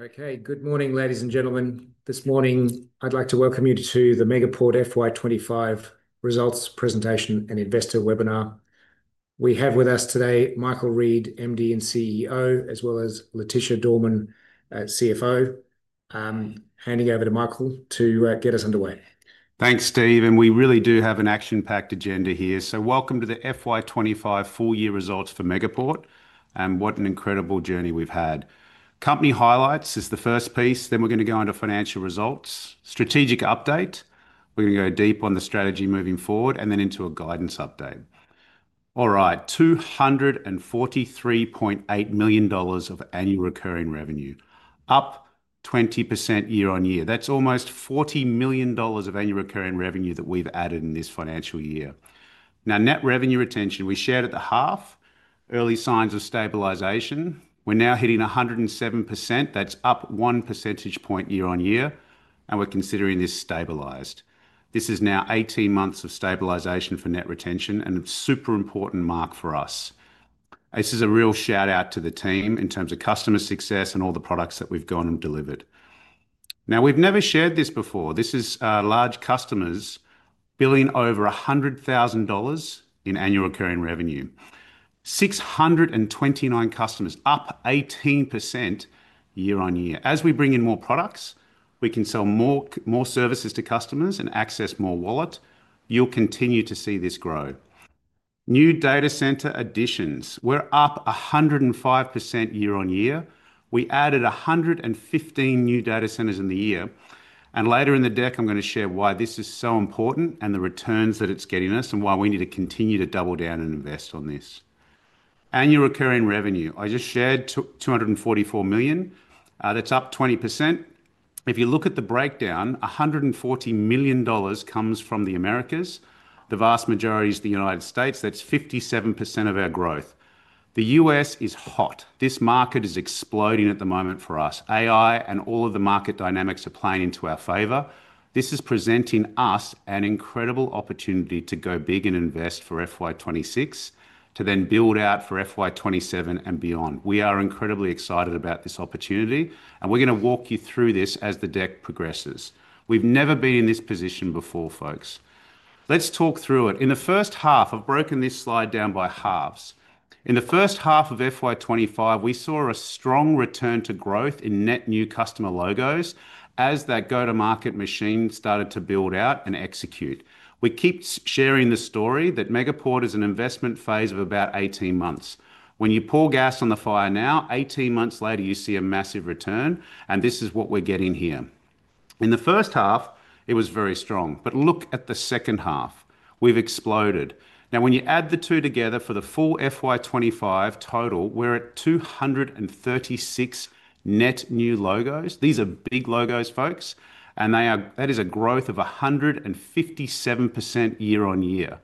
Okay, good morning, ladies and gentlemen. This morning, I'd like to welcome you to the Megaport FY 2025 Results Rresentation and Investor Webinar. We have with us today Michael Reid, CEO, as well as Leticia Dorman, CFO. I'm handing over to Michael to get us underway. Thanks, Steve. We really do have an action-packed agenda here. Welcome to the FY 2025 full-year results for Megaport. What an incredible journey we've had. Company highlights is the first piece. Then we're going to go into financial results, strategic update. We're going to go deep on the strategy moving forward and then into a guidance update. All right, $243.8 million of annual recurring revenue, up 20% year on year. That's almost $40 million of annual recurring revenue that we've added in this financial year. Now, net revenue retention, we shared at the half, early signs of stabilization. We're now hitting 107%. That's up one percentage point year on year. We're considering this stabilized. This is now 18 months of stabilization for net retention and a super important mark for us. This is a real shout out to the team in terms of customer success and all the products that we've gone and delivered. We've never shared this before. This is large customers billing over $100,000 in annual recurring revenue. 629 customers, up 18% year on year. As we bring in more products, we can sell more services to customers and access more wallets. You'll continue to see this grow. New data center additions, we're up 105% year on year. We added 115 new data centers in the year. Later in the deck, I'm going to share why this is so important and the returns that it's getting us and why we need to continue to double down and invest on this. Annual recurring revenue, I just shared $244 million. That's up 20%. If you look at the breakdown, $140 million comes from the Americas. The vast majority is the United States. That's 57% of our growth. The U.S. is hot. This market is exploding at the moment for us. AI and all of the market dynamics are playing into our favor. This is presenting us an incredible opportunity to go big and invest for FY 2026, to then build out for FY 2027 and beyond. We are incredibly excited about this opportunity. We're going to walk you through this as the deck progresses. We've never been in this position before, folks. Let's talk through it. In the first half, I've broken this slide down by halves. In the first half of FY 2025, we saw a strong return to growth in net new customer logos as that go-to-market machine started to build out and execute. We keep sharing the story that Megaport is an investment phase of about 18 months. When you pour gas on the fire now, 18 months later, you see a massive return. This is what we're getting here. In the first half, it was very strong. Look at the second half. We've exploded. When you add the two together for the full FY 2025 total, we're at 236 net new logos. These are big logos, folks. That is a growth of 157% year on year.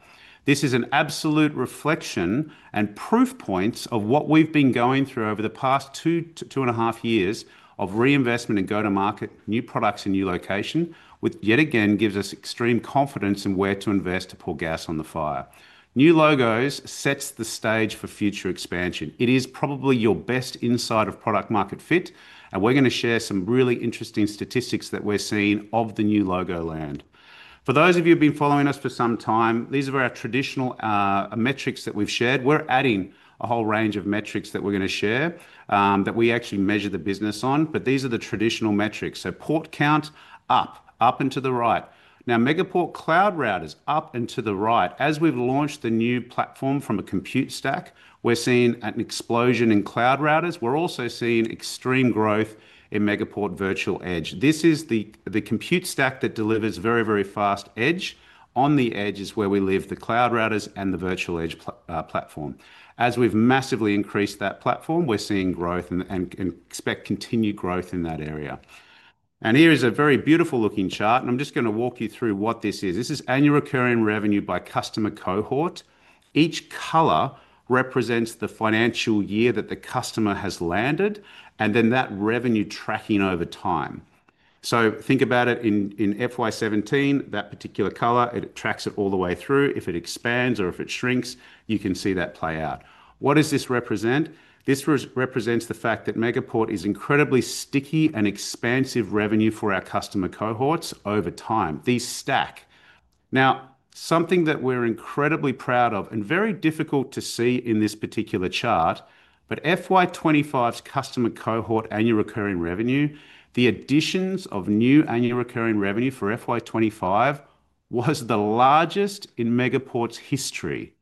This is an absolute reflection and proof points of what we've been going through over the past two, two and a half years of reinvestment and go-to-market new products in new locations, which yet again gives us extreme confidence in where to invest to pour gas on the fire. New logos set the stage for future expansion. It is probably your best insight of product-market fit. We're going to share some really interesting statistics that we're seeing of the new logo land. For those of you who have been following us for some time, these are our traditional metrics that we've shared. We're adding a whole range of metrics that we're going to share that we actually measure the business on. These are the traditional metrics. Port count up, up and to the right. Now, Megaport Cloud Routers up and to the right. As we've launched the new platform from a ComputeStack, we're seeing an explosion in cloud routers. We're also seeing extreme growth in Megaport Virtual Edge. This is the ComputeStack that delivers very, very fast edge. On the edge is where we live: the cloud routers and the Virtual Edge platform. As we've massively increased that platform, we're seeing growth and expect continued growth in that area. Here is a very beautiful looking chart. I'm just going to walk you through what this is. This is annual recurring revenue by customer cohort. Each color represents the financial year that the customer has landed and then that revenue tracking over time. Think about it in FY 2017, that particular color, it tracks it all the way through. If it expands or if it shrinks, you can see that play out. What does this represent? This represents the fact that Megaport is incredibly sticky and expansive revenue for our customer cohorts over time. These stack. Something that we're incredibly proud of and very difficult to see in this particular chart, but FY 2025's customer cohort annual recurring revenue, the additions of new annual recurring revenue for FY 2025 was the largest in Megaport's history.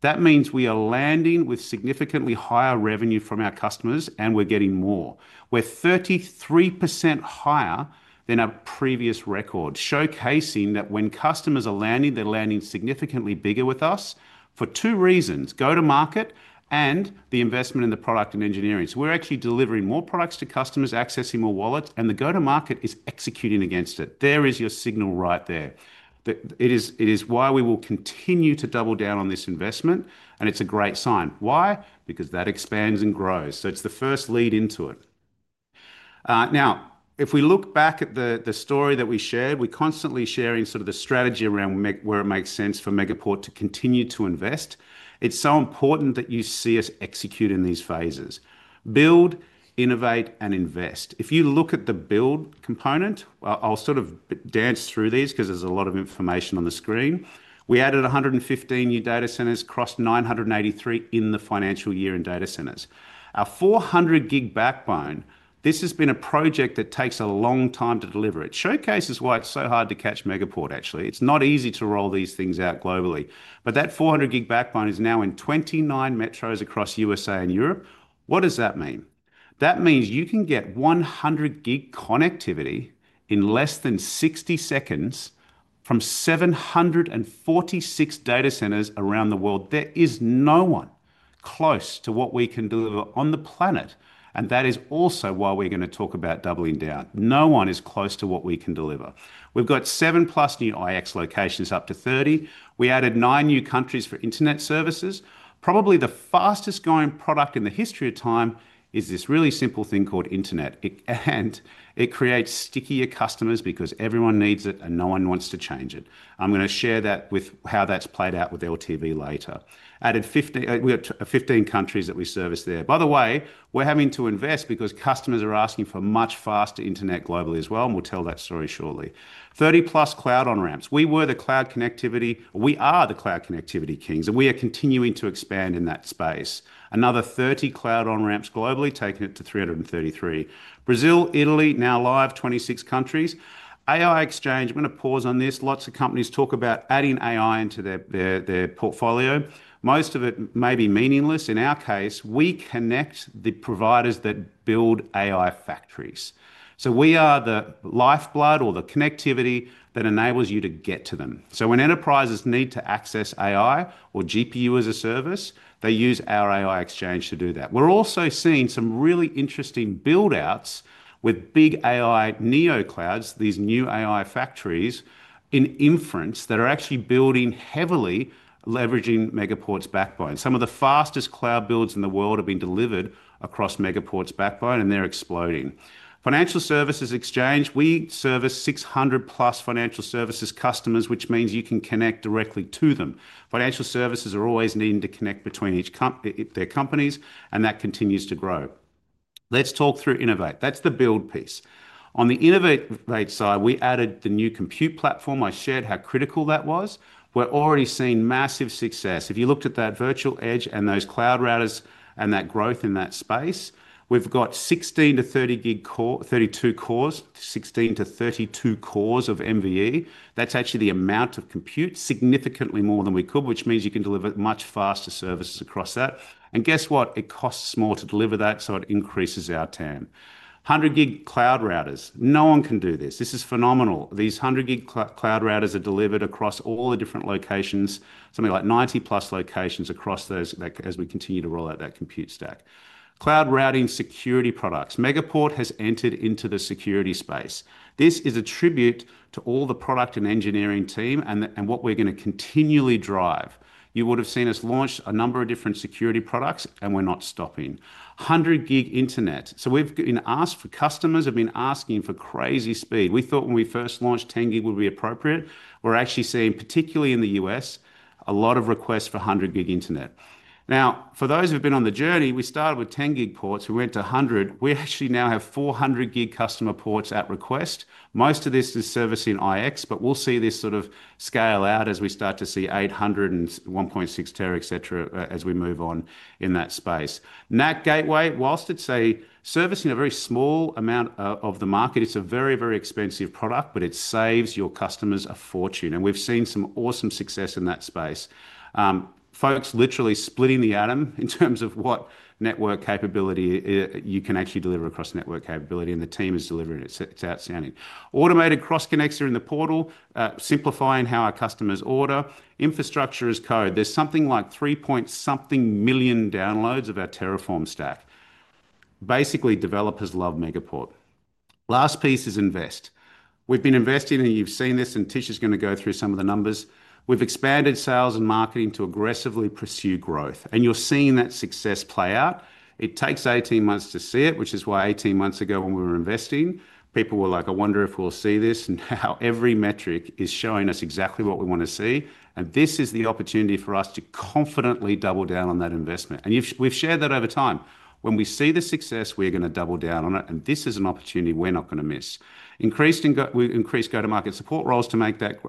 That means we are landing with significantly higher revenue from our customers, and we're getting more. We're 33% higher than a previous record, showcasing that when customers are landing, they're landing significantly bigger with us for two reasons: go-to-market and the investment in the product and engineering. We're actually delivering more products to customers, accessing more wallets, and the go-to-market is executing against it. There is your signal right there. It is why we will continue to double down on this investment. It's a great sign. Why? Because that expands and grows. It's the first lead into it. Now, if we look back at the story that we shared, we're constantly sharing sort of the strategy around where it makes sense for Megaport to continue to invest. It's so important that you see us execute in these phases: build, innovate, and invest. If you look at the build component, I'll sort of dance through these because there's a lot of information on the screen. We added 115 new data centers, crossed 983 in the financial year in data centers. Our 400-gig backbone, this has been a project that takes a long time to deliver. It showcases why it's so hard to catch Megaport, actually. It's not easy to roll these things out globally. That 400 G backbone is now in 29 metros across the U.S. and Europe. What does that mean? That means you can get 100 G connectivity in less than 60 seconds from 746 data centers around the world. There is no one close to what we can deliver on the planet. That is also why we're going to talk about doubling down. No one is close to what we can deliver. We've got seven plus new Internet Exchange (IX) locations, up to 30. We added nine new countries for internet services. Probably the fastest growing product in the history of time is this really simple thing called internet. It creates stickier customers because everyone needs it and no one wants to change it. I'm going to share that with how that's played out with LTV later. We added 15 countries that we service there. By the way, we're having to invest because customers are asking for much faster internet globally as well. We'll tell that story shortly. 30+ cloud on-ramps. We were the cloud connectivity, we are the cloud connectivity kings, and we are continuing to expand in that space. Another 30 cloud on-ramps globally, taking it to 333. Brazil, Italy, now live 26 countries. AI exchange, I'm going to pause on this. Lots of companies talk about adding AI into their portfolio. Most of it may be meaningless. In our case, we connect the providers that build AI factories. We are the lifeblood or the connectivity that enables you to get to them. When enterprises need to access AI or GPU as a service, they use our AI exchange to do that. We're also seeing some really interesting build-outs with big AI neoclouds, these new AI factories in inference that are actually building heavily leveraging Megaport's backbone. Some of the fastest cloud builds in the world have been delivered across Megaport's backbone, and they're exploding. Financial services exchange, we service 600+ financial services customers, which means you can connect directly to them. Financial services are always needing to connect between their companies, and that continues to grow. Let's talk through innovate. That's the build piece. On the innovate side, we added the new compute platform. I shared how critical that was. We're already seeing massive success. If you looked at that Virtual Edge and those cloud routers and that growth in that space, we've got 16 to 32 cores, 16 to 32 cores of MVE. That's actually the amount of compute, significantly more than we could, which means you can deliver much faster services across that. Guess what? It costs more to deliver that, so it increases our TAM. 100 G Cloud Routers, no one can do this. This is phenomenal. These 100 G Cloud Routers are delivered across all the different locations, something like 90+ locations across those as we continue to roll out that ComputeStack. Cloud routing security products, Megaport has entered into the security space. This is a tribute to all the product and engineering team and what we're going to continually drive. You would have seen us launch a number of different security products, and we're not stopping. 100 G internet. We've been asked for customers who have been asking for crazy speed. We thought when we first launched, 10 G would be appropriate. We're actually seeing, particularly in the U.S., a lot of requests for 100-gig internet. For those who've been on the journey, we started with 10 G Ports. We went to 100 G. We actually now have 400 G customer Ports at request. Most of this is servicing IX, but we'll see this sort of scale out as we start to see 800 and 1.6 tera, etc., as we move on in that space. NAT Gateway, whilst it's servicing a very small amount of the market, it's a very, very expensive product, but it saves your customers a fortune. We've seen some awesome success in that space. Folks literally splitting the atom in terms of what network capability you can actually deliver across network capability, and the team is delivering it. It's outstanding. Automated cross-connects are in the portal, simplifying how our customers order. Infrastructure as code. There's something like 3 point something million downloads of our Terraform stack. Basically, developers love Megaport. Last piece is invest. We've been investing, and you've seen this, and Tisha's going to go through some of the numbers. We've expanded sales and marketing to aggressively pursue growth. You're seeing that success play out. It takes 18 months to see it, which is why 18 months ago when we were investing, people were like, I wonder if we'll see this and how every metric is showing us exactly what we want to see. This is the opportunity for us to confidently double down on that investment. We've shared that over time. When we see the success, we're going to double down on it. This is an opportunity we're not going to miss. Increased go-to-market support roles to make that,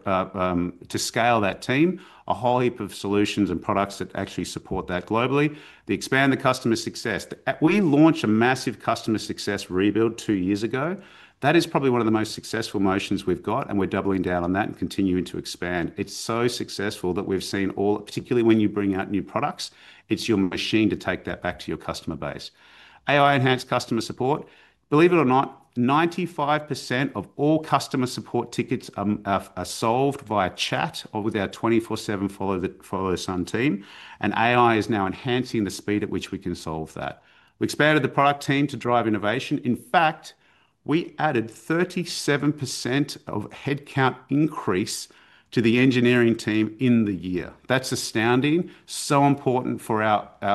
to scale that team, a whole heap of solutions and products that actually support that globally. Expand the customer success. We launched a massive customer success rebuild two years ago. That is probably one of the most successful motions we've got, and we're doubling down on that and continuing to expand. It's so successful that we've seen all, particularly when you bring out new products, it's your machine to take that back to your customer base. AI-enhanced customer support. Believe it or not, 95% of all customer support tickets are solved via chat or with our 24/7 follow-the-sun team. AI is now enhancing the speed at which we can solve that. We expanded the product team to drive innovation. In fact, we added 37% of headcount increase to the engineering team in the year. That's astounding. So important for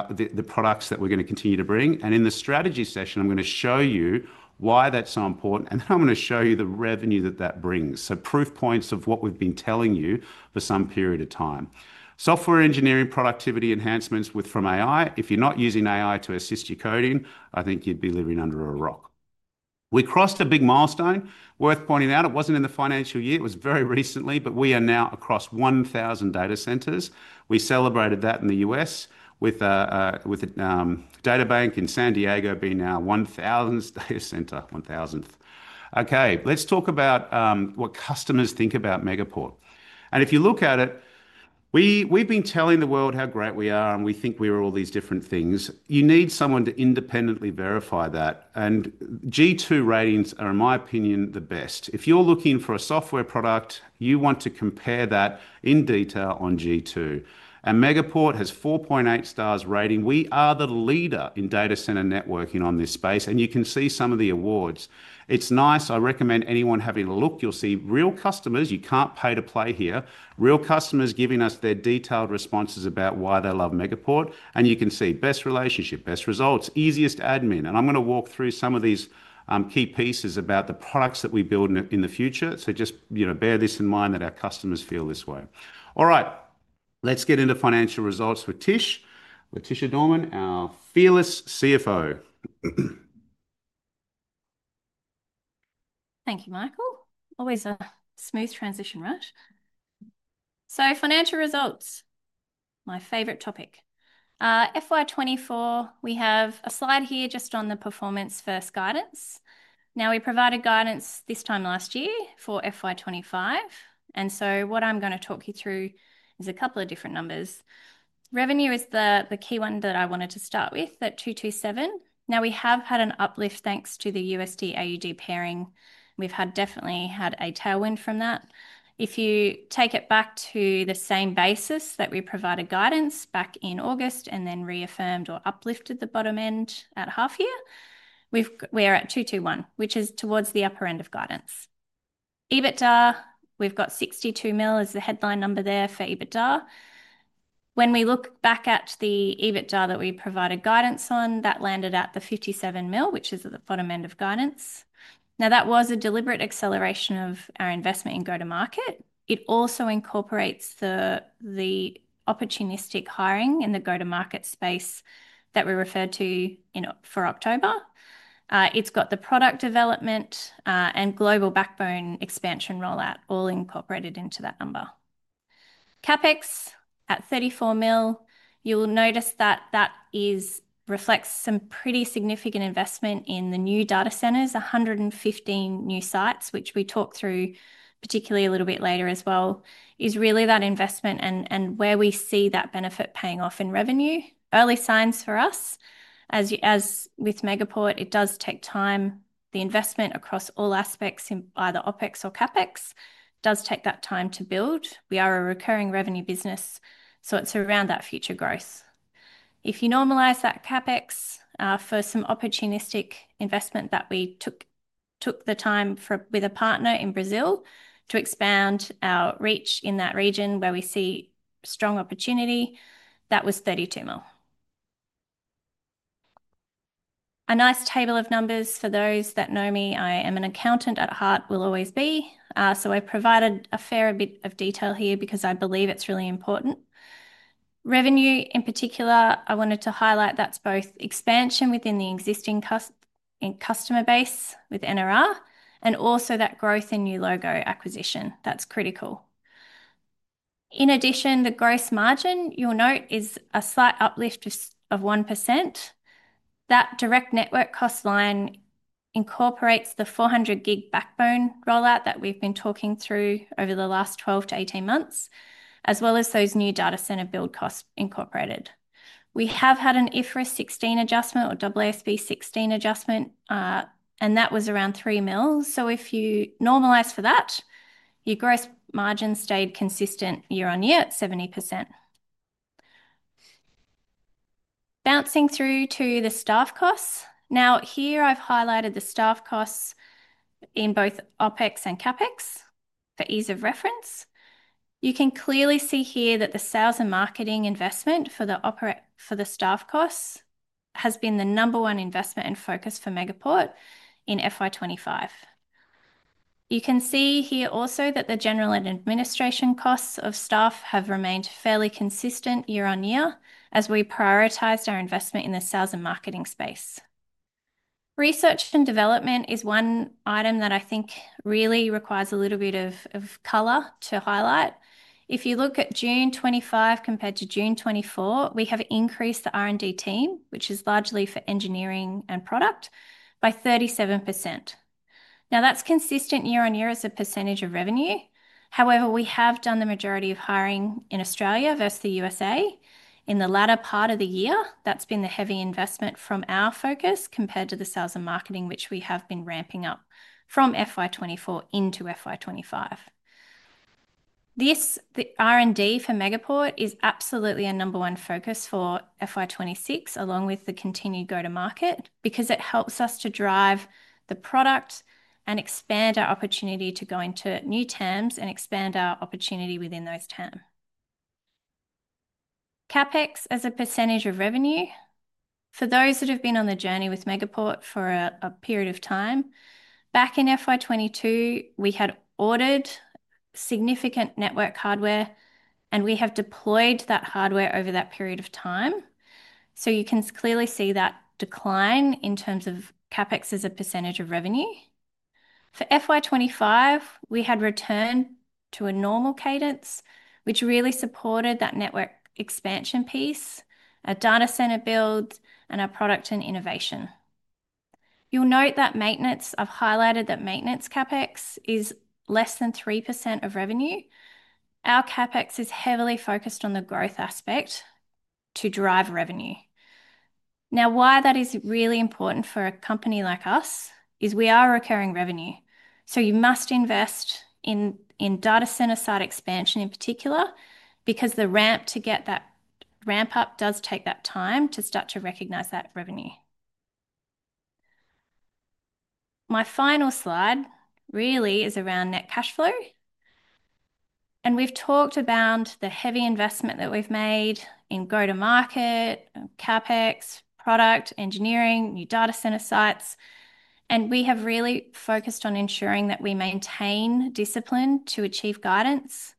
the products that we're going to continue to bring. In the strategy session, I'm going to show you why that's so important. Then I'm going to show you the revenue that that brings. Proof points of what we've been telling you for some period of time. Software engineering productivity enhancements from AI. If you're not using AI to assist your coding, I think you'd be living under a rock. We crossed a big milestone. Worth pointing out, it wasn't in the financial year. It was very recently, but we are now across 1,000 data centers. We celebrated that in the U.S. with a Databank in San Diego being our 1,000th data center. 1,000th. Okay, let's talk about what customers think about Megaport. If you look at it, we've been telling the world how great we are, and we think we're all these different things. You need someone to independently verify that. G2 ratings are, in my opinion, the best. If you're looking for a software product, you want to compare that in detail on G2. Megaport has 4.8 stars rating. We are the leader in data center networking on this space. You can see some of the awards. It's nice. I recommend anyone having a look. You'll see real customers. You can't pay to play here. Real customers giving us their detailed responses about why they love Megaport. You can see best relationship, best results, easiest admin. I'm going to walk through some of these key pieces about the products that we build in the future. Just bear this in mind that our customers feel this way. All right, let's get into financial results with Tish. Leticia Dorman, our fearless CFO. Thank you, Michael. Always a smooth transition, right? Financial results, my favorite topic. FY 2024, we have a slide here just on the performance-first guidance. We provided guidance this time last year for FY 2025. What I'm going to talk you through is a couple of different numbers. Revenue is the key one that I wanted to start with at $227 million. We have had an uplift thanks to the USD/AUD pairing. We've definitely had a tailwind from that. If you take it back to the same basis that we provided guidance back in August and then reaffirmed or uplifted the bottom end at half year, we're at $221 million, which is towards the upper end of guidance. EBITDA, we've got $62 million as the headline number there for EBITDA. When we look back at the EBITDA that we provided guidance on, that landed at the $57 million, which is at the bottom end of guidance. That was a deliberate acceleration of our investment in go-to-market. It also incorporates the opportunistic hiring in the go-to-market space that we referred to for October. It's got the product development and global backbone expansion rollout all incorporated into that number. CapEx at $34 million, you'll notice that reflects some pretty significant investment in the new data centers, 115 new sites, which we talk through particularly a little bit later as well, is really that investment and where we see that benefit paying off in revenue. Early signs for us. As with Megaport, it does take time. The investment across all aspects in either OpEx or CapEx does take that time to build. We are a recurring revenue business, so it's around that future growth. If you normalize that CapEx for some opportunistic investment that we took the time with a partner in Brazil to expand our reach in that region where we see strong opportunity, that was $32 million. A nice table of numbers for those that know me. I am an accountant at heart, will always be. I provided a fair bit of detail here because I believe it's really important. Revenue in particular, I wanted to highlight that's both expansion within the existing customer base with NRR and also that growth in new logo acquisition. That's critical. In addition, the gross margin, you'll note, is a slight uplift of 1%. That direct network cost line incorporates the 400 G backbone rollout that we've been talking through over the last 12 to 18 months, as well as those new data center build costs incorporated. We have had an IFRS 16 adjustment, and that was around $3 million. If you normalize for that, your gross margin stayed consistent year on year at 70%. Bouncing through to the staff costs, I've highlighted the staff costs in both OpEx and CapEx for ease of reference. You can clearly see that the sales and marketing investment for the staff costs has been the number one investment and focus for Megaport in FY 2025. You can see also that the general and administration costs of staff have remained fairly consistent year on year as we prioritized our investment in the sales and marketing space. Research and development is one item that I think really requires a little bit of color to highlight. If you look at June 2025 compared to June 2024, we have increased the R&D team, which is largely for engineering and product, by 37%. That's consistent year on year as a percentage of revenue. However, we have done the majority of hiring in Australia versus the U.S.A. in the latter part of the year. That's been the heavy investment from our focus compared to the sales and marketing, which we have been ramping up from FY 2024 into FY 2025. This R&D for Megaport is absolutely a number one focus for FY 2026, along with the continued go-to-market, because it helps us to drive the product and expand our opportunity to go into new TAMs and expand our opportunity within those TAMs. CapEx as a percentage of revenue, for those that have been on the journey with Megaport for a period of time, back in FY 2022, we had ordered significant network hardware, and we have deployed that hardware over that period of time. You can clearly see that decline in terms of CapEx as a percentage of revenue. For FY 2025, we had returned to a normal cadence, which really supported that network expansion piece, our data center build, and our product and innovation. You'll note that maintenance, I've highlighted that maintenance CapEx is less than 3% of revenue. Our CapEx is heavily focused on the growth aspect to drive revenue. Why that is really important for a company like us is we are a recurring revenue. You must invest in data center site expansion in particular because the ramp to get that ramp up does take that time to start to recognize that revenue. My final slide really is around net cash flow. We've talked about the heavy investment that we've made in go-to-market, CapEx, product, engineering, new data center sites. We have really focused on ensuring that we maintain discipline to achieve guidance.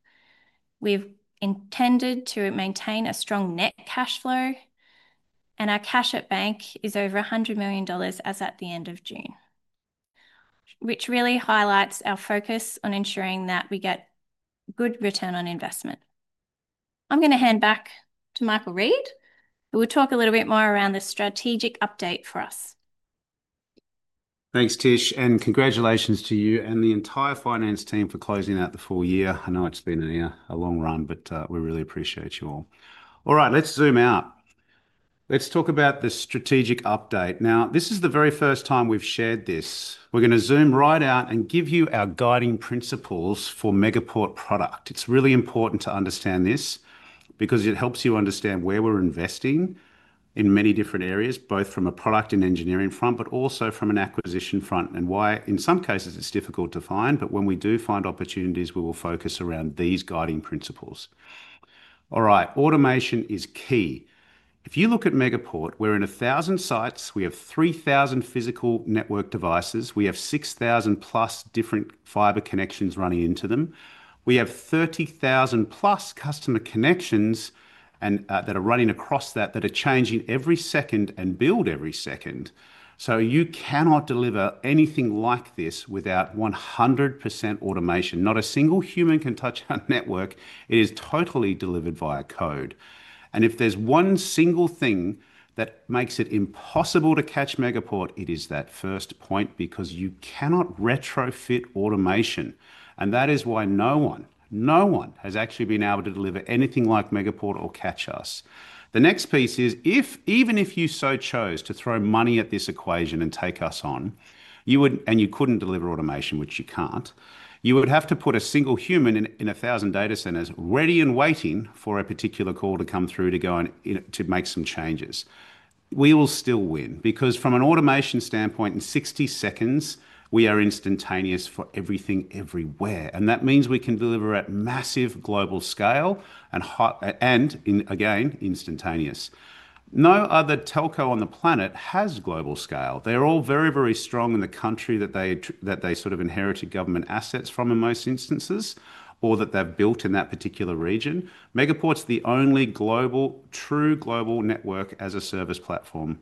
We've intended to maintain a strong net cash flow. Our cash at bank is over $100 million as at the end of June, which really highlights our focus on ensuring that we get good return on investment. I'm going to hand back to Michael Reid. We'll talk a little bit more around the strategic update for us. Thanks, Tish, and congratulations to you and the entire finance team for closing out the full year. I know it's been a long run, but we really appreciate you all. All right, let's zoom out. Let's talk about the strategic update. This is the very first time we've shared this. We're going to zoom right out and give you our guiding principles for Megaport product. It's really important to understand this because it helps you understand where we're investing in many different areas, both from a product and engineering front, but also from an acquisition front and why, in some cases, it's difficult to find. When we do find opportunities, we will focus around these guiding principles. All right, automation is key. If you look at Megaport, we're in 1,000 sites. We have 3,000 physical network devices. We have 6,000+ different fiber connections running into them. We have 30,000+ customer connections that are running across that, that are changing every second and build every second. You cannot deliver anything like this without 100% automation. Not a single human can touch our network. It is totally delivered via code. If there's one single thing that makes it impossible to catch Megaport, it is that first point because you cannot retrofit automation. That is why no one, no one has actually been able to deliver anything like Megaport or catch us. The next piece is, even if you chose to throw money at this equation and take us on, you would, and you couldn't deliver automation, which you can't, you would have to put a single human in 1,000 data centers ready and waiting for a particular call to come through to go and make some changes. We will still win because from an automation standpoint, in 60 seconds, we are instantaneous for everything everywhere. That means we can deliver at massive global scale and, again, instantaneous. No other telco on the planet has global scale. They're all very, very strong in the country that they sort of inherited government assets from in most instances or that they've built in that particular region. Megaport's the only true global Network as a Service platform.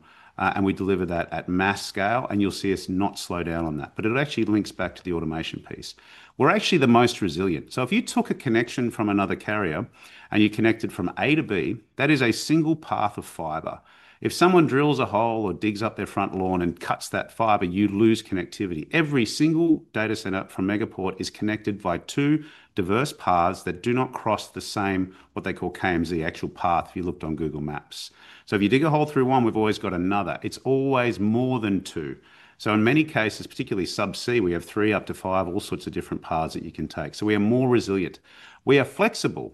We deliver that at mass scale. You'll see us not slow down on that. It actually links back to the automation piece. We're actually the most resilient. If you took a connection from another carrier and you connected from A to B, that is a single path of fiber. If someone drills a hole or digs up their front lawn and cuts that fiber, you lose connectivity. Every single data center from Megaport is connected by two diverse paths that do not cross the same, what they call KMZ, actual path if you looked on Google Maps. If you dig a hole through one, we've always got another. It's always more than two. In many cases, particularly sub C, we have three up to five, all sorts of different paths that you can take. We are more resilient. We are flexible.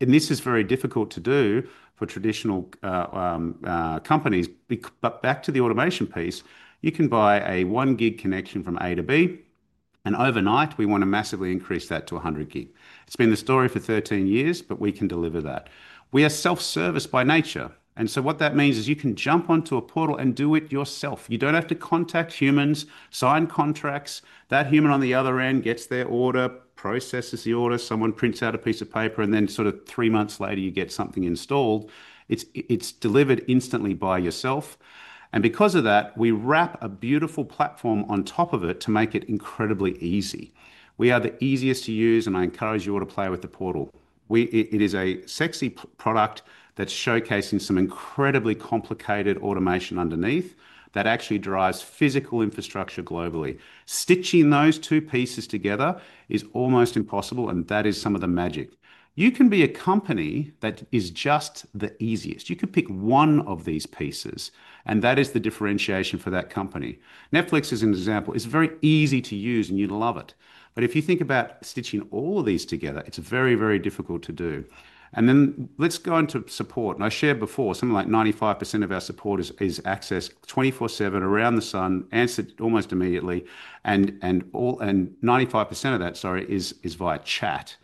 This is very difficult to do for traditional companies. Back to the automation piece, you can buy a one-gig connection from A to B. Overnight, we want to massively increase that to 100 G. It's been the story for 13 years, but we can deliver that. We are self-service by nature. What that means is you can jump onto a portal and do it yourself. You don't have to contact humans, sign contracts. That human on the other end gets their order, processes the order, someone prints out a piece of paper, and then sort of three months later, you get something installed. It's delivered instantly by yourself. Because of that, we wrap a beautiful platform on top of it to make it incredibly easy. We are the easiest to use, and I encourage you all to play with the portal. It is a sexy product that's showcasing some incredibly complicated automation underneath that actually drives physical infrastructure globally. Stitching those two pieces together is almost impossible, and that is some of the magic. You can be a company that is just the easiest. You could pick one of these pieces, and that is the differentiation for that company. Netflix is an example. It's very easy to use, and you love it. If you think about stitching all of these together, it's very, very difficult to do. Let's go into support. I shared before, something like 95% of our support is accessed 24/7, around the sun, answered almost immediately. 95% of that, sorry, is via chat.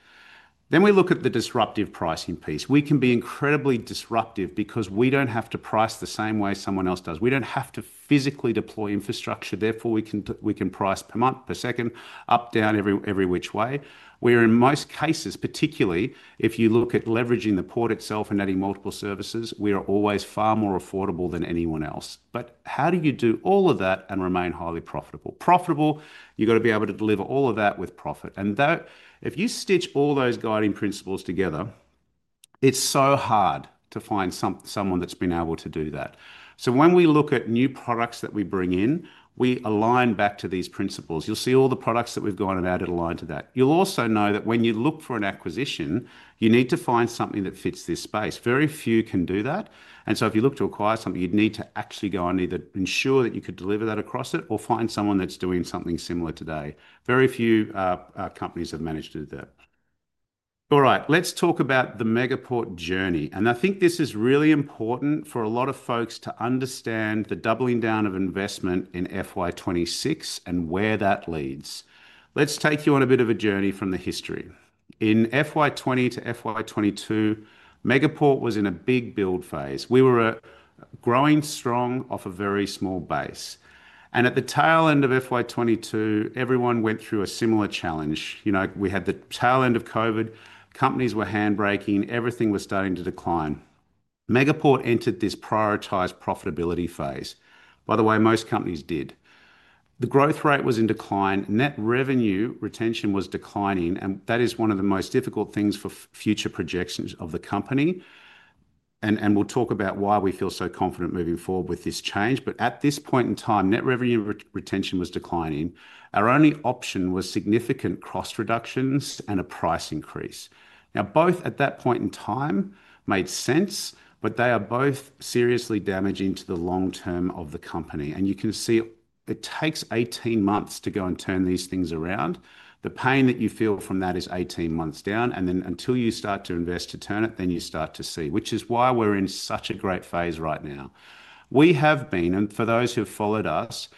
We look at the disruptive pricing piece. We can be incredibly disruptive because we don't have to price the same way someone else does. We don't have to physically deploy infrastructure. Therefore, we can price per month, per second, up, down, every which way. We are, in most cases, particularly if you look at leveraging the port itself and adding multiple services, always far more affordable than anyone else. How do you do all of that and remain highly profitable? Profitable, you've got to be able to deliver all of that with profit. If you stitch all those guiding principles together, it's so hard to find someone that's been able to do that. When we look at new products that we bring in, we align back to these principles. You'll see all the products that we've gone about aligned to that. You'll also know that when you look for an acquisition, you need to find something that fits this space. Very few can do that. If you look to acquire something, you'd need to actually go and either ensure that you could deliver that across it or find someone that's doing something similar today. Very few companies have managed to do that. All right, let's talk about the Megaport journey. I think this is really important for a lot of folks to understand the doubling down of investment in FY 2026 and where that leads. Let's take you on a bit of a journey from the history. In FY 2020 to FY 2022, Megaport was in a big build phase. We were growing strong off a very small base. At the tail end of FY 2022, everyone went through a similar challenge. You know, we had the tail end of COVID. Companies were hand-breaking. Everything was starting to decline. Megaport entered this prioritized profitability phase. By the way, most companies did. The growth rate was in decline. Net revenue retention was declining. That is one of the most difficult things for future projections of the company. We'll talk about why we feel so confident moving forward with this change. At this point in time, net revenue retention was declining. Our only option was significant cost reductions and a price increase. Both at that point in time made sense, but they are both seriously damaging to the long term of the company. You can see it takes 18 months to go and turn these things around. The pain that you feel from that is 18 months down. Until you start to invest to turn it, then you start to see, which is why we're in such a great phase right now. We have been, and for those who have followed us,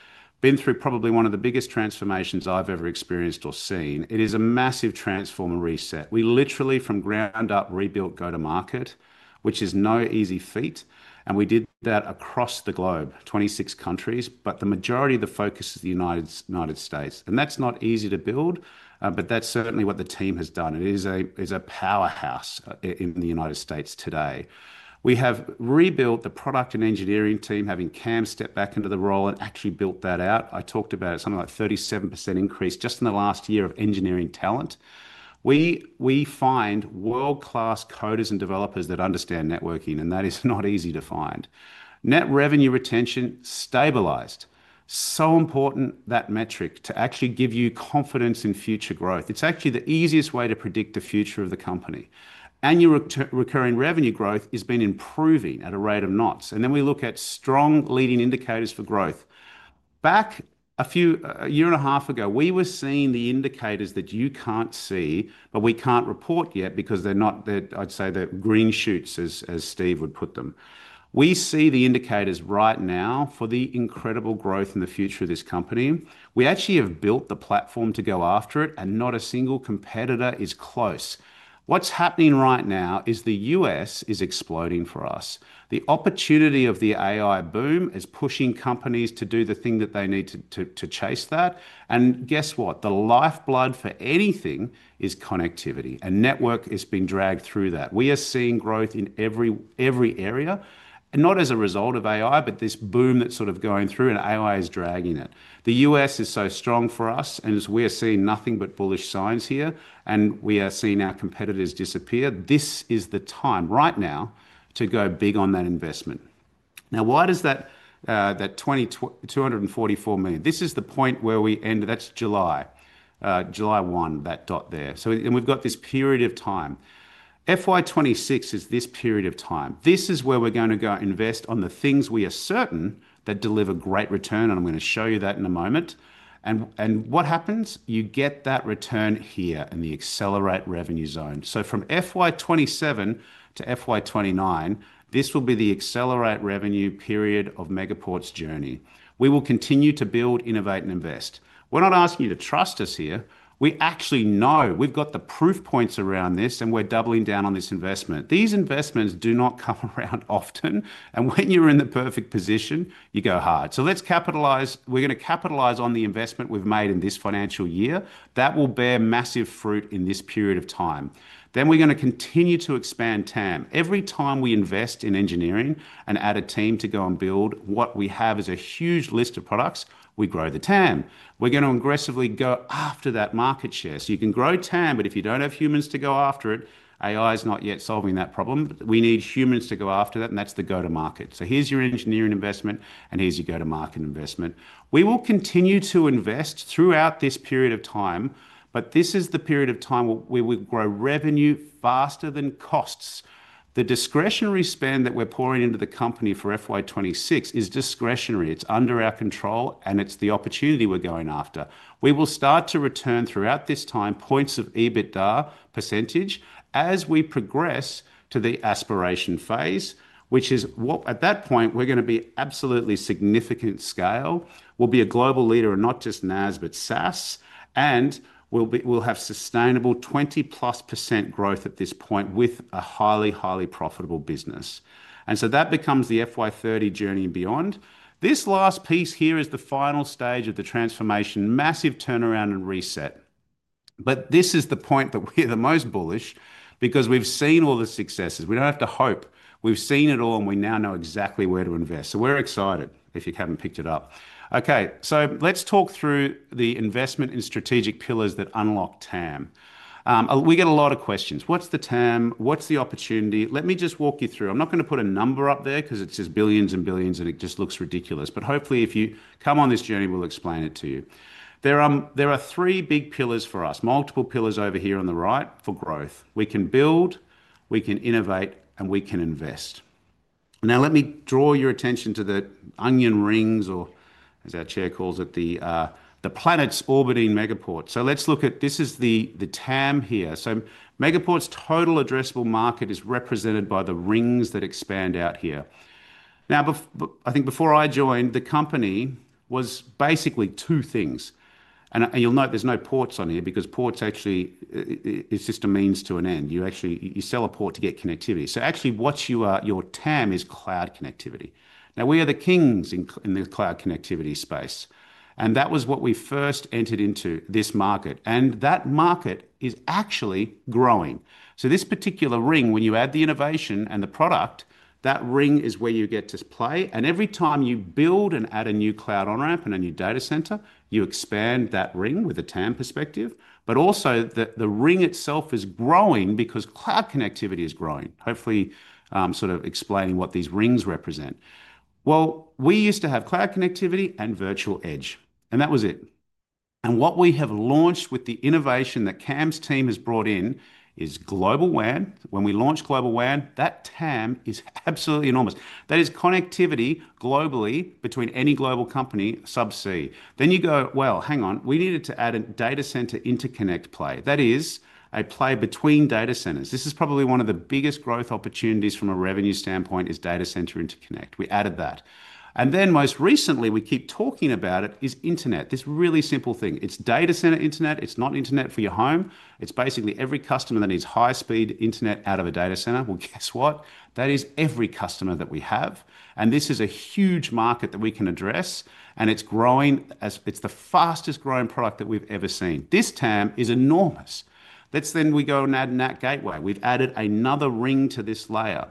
been through probably one of the biggest transformations I've ever experienced or seen. It is a massive transform and reset. We literally, from ground up, rebuilt go-to-market, which is no easy feat. We did that across the globe, 26 countries. The majority of the focus is the United States. That's not easy to build, but that's certainly what the team has done. It is a powerhouse in the United States today. We have rebuilt the product and engineering team, having CAM step back into the role and actually built that out. I talked about it, something like 37% increase just in the last year of engineering talent. We find world-class coders and developers that understand networking, and that is not easy to find. Net revenue retention stabilized. So important that metric to actually give you confidence in future growth. It's actually the easiest way to predict the future of the company. Annual recurring revenue growth has been improving at a rate of knots. We look at strong leading indicators for growth. Back a year and a half ago, we were seeing the indicators that you can't see, but we can't report yet because they're not, I'd say, the green shoots, as Steve would put them. We see the indicators right now for the incredible growth in the future of this company. We actually have built the platform to go after it, and not a single competitor is close. What's happening right now is the U.S. is exploding for us. The opportunity of the AI boom is pushing companies to do the thing that they need to chase that. Guess what? The lifeblood for anything is connectivity. Network has been dragged through that. We are seeing growth in every area, and not as a result of AI, but this boom that's sort of going through, and AI is dragging it. The U.S. is so strong for us, and as we are seeing nothing but bullish signs here, we are seeing our competitors disappear. This is the time right now to go big on that investment. Now, why does that $244 million? This is the point where we ended. That's July, July 1, that dot there. We've got this period of time. FY 2026 is this period of time. This is where we're going to go invest on the things we are certain that deliver great return. I'm going to show you that in a moment. What happens? You get that return here in the accelerate revenue zone. From FY 2027 to FY 2029, this will be the accelerate revenue period of Megaport's journey. We will continue to build, innovate, and invest. We're not asking you to trust us here. We actually know we've got the proof points around this, and we're doubling down on this investment. These investments do not come around often. When you're in the perfect position, you go hard. Let's capitalize. We're going to capitalize on the investment we've made in this financial year. That will bear massive fruit in this period of time. We're going to continue to expand TAM. Every time we invest in engineering and add a team to go and build what we have as a huge list of products, we grow the TAM. We're going to aggressively go after that market share. You can grow TAM, but if you don't have humans to go after it, AI is not yet solving that problem. We need humans to go after that, and that's the go-to-market. Here's your engineering investment, and here's your go-to-market investment. We will continue to invest throughout this period of time, but this is the period of time where we will grow revenue faster than costs. The discretionary spend that we're pouring into the company for FY 2026 is discretionary. It's under our control, and it's the opportunity we're going after. We will start to return throughout this time points of EBITDA percentage as we progress to the aspiration phase, which is what at that point we're going to be absolutely significant scale. We'll be a global leader in not just NaaS, but SaaS. We'll have sustainable 20%+ growth at this point with a highly, highly profitable business. That becomes the FY 2030 journey and beyond. This last piece here is the final stage of the transformation, massive turnaround and reset. This is the point that we're the most bullish because we've seen all the successes. We don't have to hope. We've seen it all, and we now know exactly where to invest. We're excited if you haven't picked it up. Let's talk through the investment in strategic pillars that unlock TAM. We get a lot of questions. What's the TAM? What's the opportunity? Let me just walk you through. I'm not going to put a number up there because it's just billions and billions, and it just looks ridiculous. Hopefully, if you come on this journey, we'll explain it to you. There are three big pillars for us, multiple pillars over here on the right for growth. We can build, we can innovate, and we can invest. Let me draw your attention to the onion rings, or as our Chair calls it, the planets orbiting Megaport. Let's look at this is the TAM here. Megaport's total addressable market is represented by the rings that expand out here. I think before I joined, the company was basically two things. You'll note there's no Ports on here because Ports actually, it's just a means to an end. You actually, you sell a Port to get connectivity. What your TAM is, is cloud connectivity. We are the kings in the cloud connectivity space. That was what we first entered into this market. That market is actually growing. This particular ring, when you add the innovation and the product, that ring is where you get to play. Every time you build and add a new cloud on-ramp and a new data center, you expand that ring with a TAM perspective. Also, the ring itself is growing because cloud connectivity is growing. Hopefully, sort of explaining what these rings represent. We used to have cloud connectivity and Virtual Edge. That was it. What we have launched with the innovation that CAM's team has brought in is Global WAN. When we launch Global WAN, that TAM is absolutely enormous. That is connectivity globally between any global company sub C. You go, hang on, we needed to add a data center interconnect play. That is a play between data centers. This is probably one of the biggest growth opportunities from a revenue standpoint, data center interconnect. We added that. Most recently, we keep talking about it, it is internet. This really simple thing. It's data center internet. It's not internet for your home. It's basically every customer that needs high-speed internet out of a data center. Guess what? That is every customer that we have. This is a huge market that we can address. It's growing. It's the fastest growing product that we've ever seen. This TAM is enormous. We go and add NAT Gateway. We've added another ring to this layer.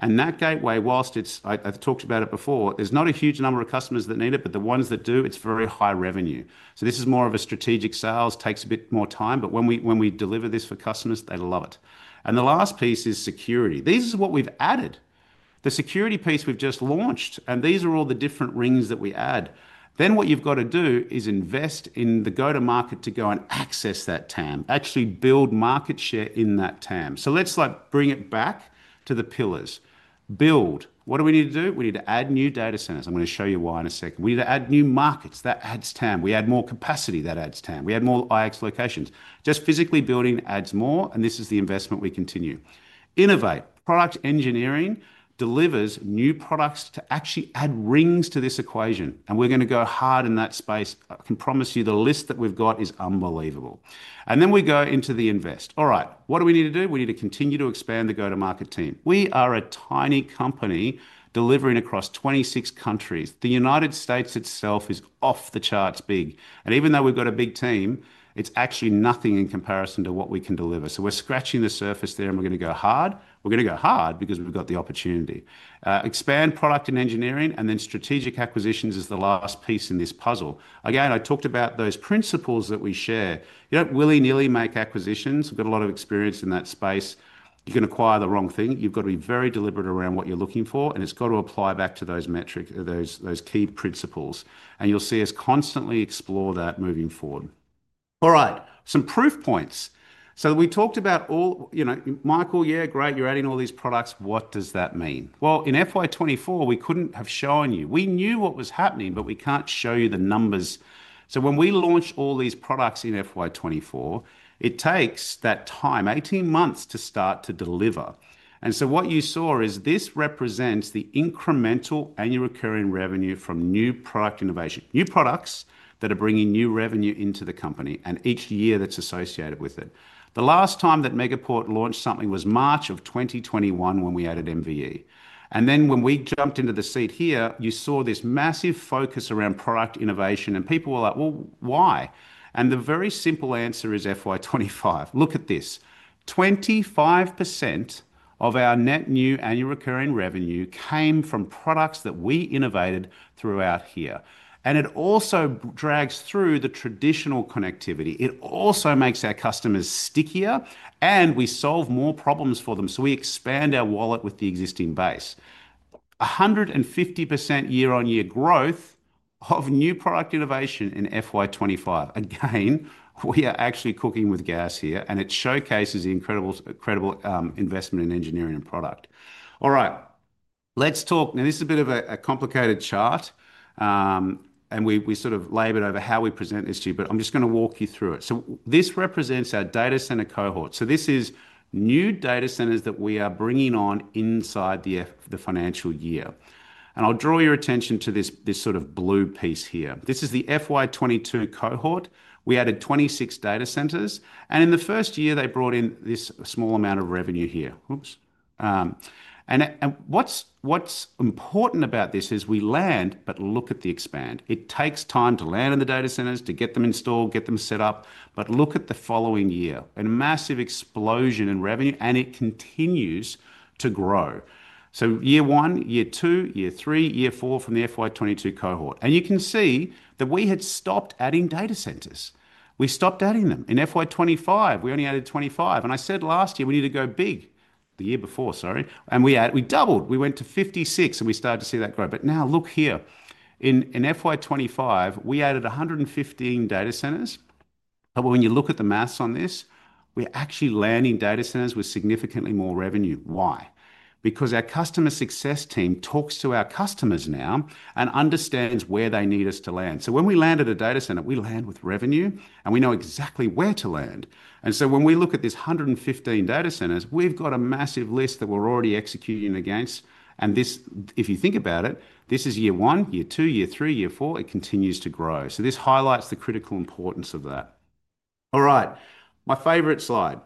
NAT Gateway, whilst it's, I've talked about it before, there's not a huge number of customers that need it, but the ones that do, it's very high revenue. This is more of a strategic sales, takes a bit more time. When we deliver this for customers, they love it. The last piece is security. This is what we've added. The security piece we've just launched. These are all the different rings that we add. What you've got to do is invest in the go-to-market to go and access that TAM. Actually build market share in that TAM. Let's bring it back to the pillars. Build. What do we need to do? We need to add new data centers. I'm going to show you why in a sec. We need to add new markets. That adds TAM. We add more capacity. That adds TAM. We add more IX locations. Just physically building adds more. This is the investment we continue. Innovate. Product engineering delivers new products to actually add rings to this equation. We're going to go hard in that space. I can promise you the list that we've got is unbelievable. Then we go into the invest. All right, what do we need to do? We need to continue to expand the go-to-market team. We are a tiny company delivering across 26 countries. The United States itself is off the charts big. Even though we've got a big team, it's actually nothing in comparison to what we can deliver. We're scratching the surface there. We're going to go hard. We're going to go hard because we've got the opportunity. Expand product and engineering, and then strategic acquisitions is the last piece in this puzzle. Again, I talked about those principles that we share. You don't willy-nilly make acquisitions. We've got a lot of experience in that space. You can acquire the wrong thing. You've got to be very deliberate around what you're looking for. It's got to apply back to those metrics, those key principles. You'll see us constantly explore that moving forward. All right, some proof points. We talked about all, you know, Michael, yeah, great, you're adding all these products. What does that mean? In FY 2024, we couldn't have shown you. We knew what was happening, but we can't show you the numbers. When we launch all these products in FY 2024, it takes that time, 18 months, to start to deliver. What you saw is this represents the incremental annual recurring revenue from new product innovation, new products that are bringing new revenue into the company and each year that's associated with it. The last time that Megaport launched something was March of 2021 when we added MVE. When we jumped into the seat here, you saw this massive focus around product innovation. People were like, why? The very simple answer is FY 2025. Look at this. 25% of our net new annual recurring revenue came from products that we innovated throughout here. It also drags through the traditional connectivity. It also makes our customers stickier. We solve more problems for them. We expand our wallet with the existing base. 150% year-on-year growth of new product innovation in FY 2025. Again, we are actually cooking with gas here. It showcases the incredible investment in engineering and product. All right, let's talk. Now, this is a bit of a complicated chart. We sort of labored over how we present this to you. I'm just going to walk you through it. This represents our data center cohort. This is new data centers that we are bringing on inside the financial year. I'll draw your attention to this sort of blue piece here. This is the FY 2022 cohort. We added 26 data centers, and in the first year, they brought in this small amount of revenue here. What's important about this is we land, but look at the expand. It takes time to land in the data centers, to get them installed, get them set up. Look at the following year. A massive explosion in revenue, and it continues to grow. Year one, year two, year three, year four from the FY 2022 cohort. You can see that we had stopped adding data centers. We stopped adding them. In FY 2025, we only added 25. I said last year we need to go big, the year before, sorry, and we doubled. We went to 56, and we started to see that grow. Now look here. In FY 2025, we added 115 data centers. When you look at the maths on this, we're actually landing data centers with significantly more revenue. Why? Our customer success team talks to our customers now and understands where they need us to land. When we land at a data center, we land with revenue, and we know exactly where to land. When we look at this 115 data centers, we've got a massive list that we're already executing against. If you think about it, this is year one, year two, year three, year four. It continues to grow. This highlights the critical importance of that. All right, my favorite slide.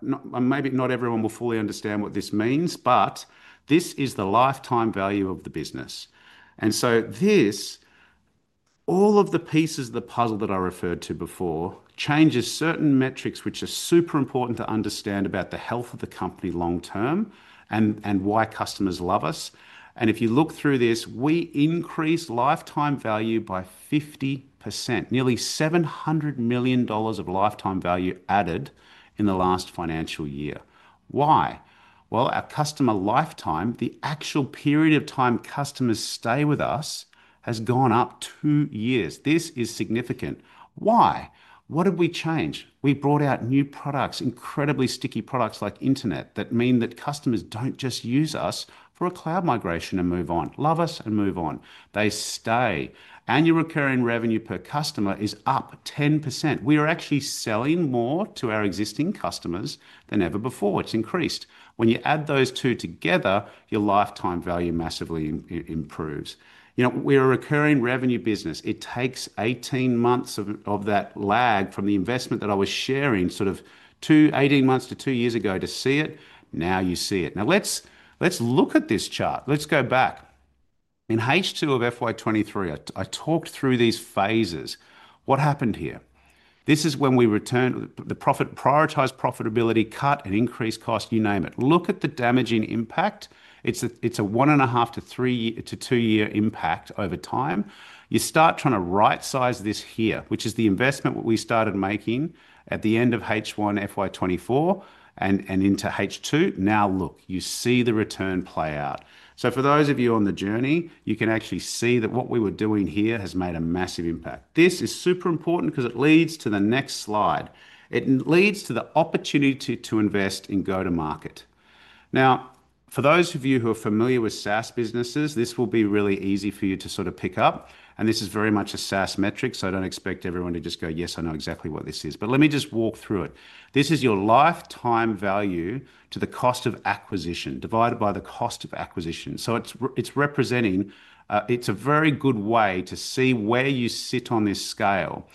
Maybe not everyone will fully understand what this means, but this is the lifetime value of the business. All of the pieces of the puzzle that I referred to before change certain metrics which are super important to understand about the health of the company long term and why customers love us. If you look through this, we increase lifetime value by 50%. Nearly $700 million of lifetime value added in the last financial year. Why? Our customer lifetime, the actual period of time customers stay with us, has gone up two years. This is significant. What have we changed? We brought out new products, incredibly sticky products like internet, that mean that customers don't just use us for a cloud migration and move on. Love us and move on. They stay. Annual recurring revenue per customer is up 10%. We are actually selling more to our existing customers than ever before. It's increased. When you add those two together, your lifetime value massively improves. You know, we're a recurring revenue business. It takes 18 months of that lag from the investment that I was sharing sort of 18 months to two years ago to see it. Now you see it. Now let's look at this chart. Let's go back. In H2 of FY 2023, I talked through these phases. What happened here? This is when we returned the profit, prioritized profitability, cut and increased cost, you name it. Look at the damaging impact. It's a one and a half to two-year impact over time. You start trying to right-size this here, which is the investment that we started making at the end of H1 FY 2024 and into H2. Now look, you see the return play out. For those of you on the journey, you can actually see that what we were doing here has made a massive impact. This is super important because it leads to the next slide. It leads to the opportunity to invest in go-to-market. For those of you who are familiar with SaaS businesses, this will be really easy for you to sort of pick up. This is very much a SaaS metric. I don't expect everyone to just go, yes, I know exactly what this is. Let me just walk through it. This is your lifetime value to the cost of acquisition divided by the cost of acquisition. It's representing, it's a very good way to see where you sit on this scale.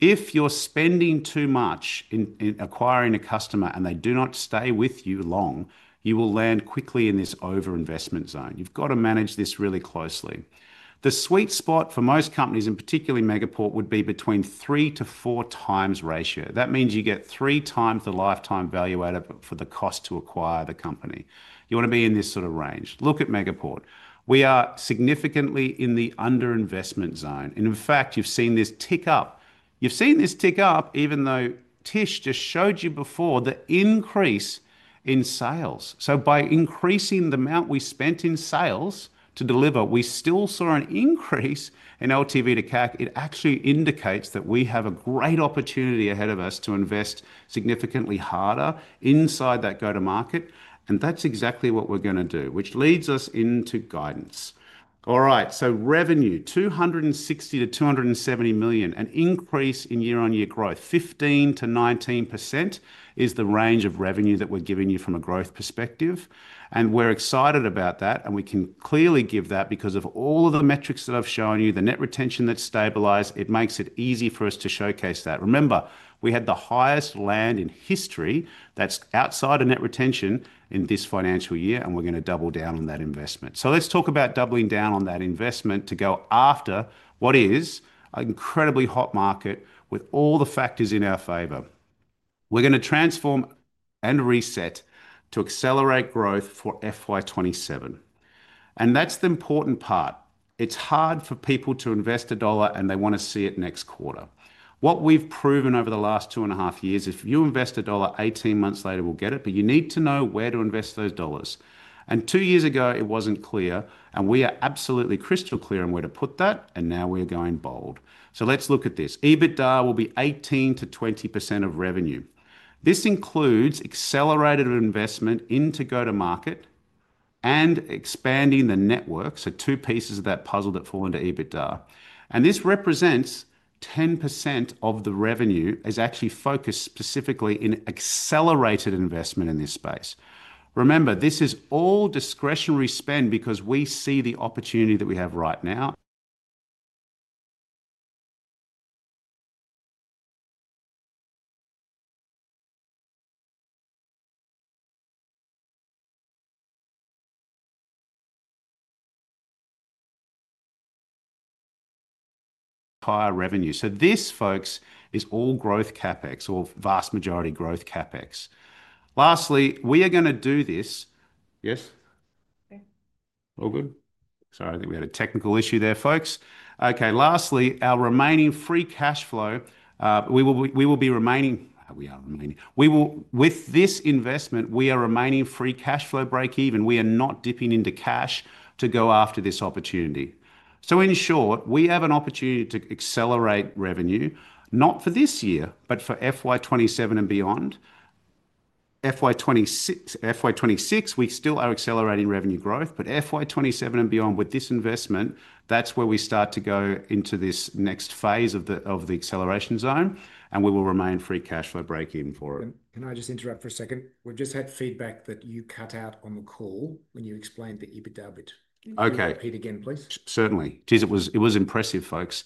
If you're spending too much in acquiring a customer and they do not stay with you long, you will land quickly in this over-investment zone. You've got to manage this really closely. The sweet spot for most companies, and particularly Megaport, would be between three to four times ratio. That means you get three times the lifetime value added for the cost to acquire the company. You want to be in this sort of range. Look at Megaport. We are significantly in the under-investment zone. In fact, you've seen this tick up. You've seen this tick up even though Tish just showed you before the increase in sales. By increasing the amount we spent in sales to deliver, we still saw an increase in LTV to CAC. It actually indicates that we have a great opportunity ahead of us to invest significantly harder inside that go-to-market. That's exactly what we're going to do, which leads us into guidance. All right, revenue, $260 million-$270 million, an increase in year-on-year growth, 15%-19% is the range of revenue that we're giving you from a growth perspective. We're excited about that. We can clearly give that because of all of the metrics that I've shown you, the net retention that's stabilized. It makes it easy for us to showcase that. Remember, we had the highest land in history that's outside of net retention in this financial year. We're going to double down on that investment. Let's talk about doubling down on that investment to go after what is an incredibly hot market with all the factors in our favor. We're going to transform and reset to accelerate growth for FY 2027. That's the important part. It's hard for people to invest a dollar and they want to see it next quarter. What we've proven over the last two and a half years, if you invest a dollar, 18 months later we'll get it. You need to know where to invest those dollars. Two years ago, it wasn't clear. We are absolutely crystal clear on where to put that. Now we are going bold. Let's look at this. EBITDA will be 18%-20% of revenue. This includes accelerated investment into go-to-market and expanding the network. Two pieces of that puzzle fall into EBITDA. This represents 10% of the revenue actually focused specifically in accelerated investment in this space. Remember, this is all discretionary spend because we see the opportunity that we have right now. Higher revenue. This, folks, is all growth CapEx or vast majority growth CapEx. Lastly, we are going to do this. Yes? All good? Sorry, I think we had a technical issue there, folks. Okay, lastly, our remaining free cash flow, we will be remaining, we are remaining, we will, with this investment, we are remaining free cash flow break even. We are not dipping into cash to go after this opportunity. In short, we have an opportunity to accelerate revenue, not for this year, but for FY 2027 and beyond. FY 2026, we still are accelerating revenue growth, but FY 2027 and beyond with this investment, that's where we start to go into this next phase of the acceleration zone, and we will remain free cash flow break even for it. Can I just interrupt for a second? We've just had feedback that you cut out on the call when you explained the EBITDA. Can you repeat again, please? Certainly. It was impressive, folks.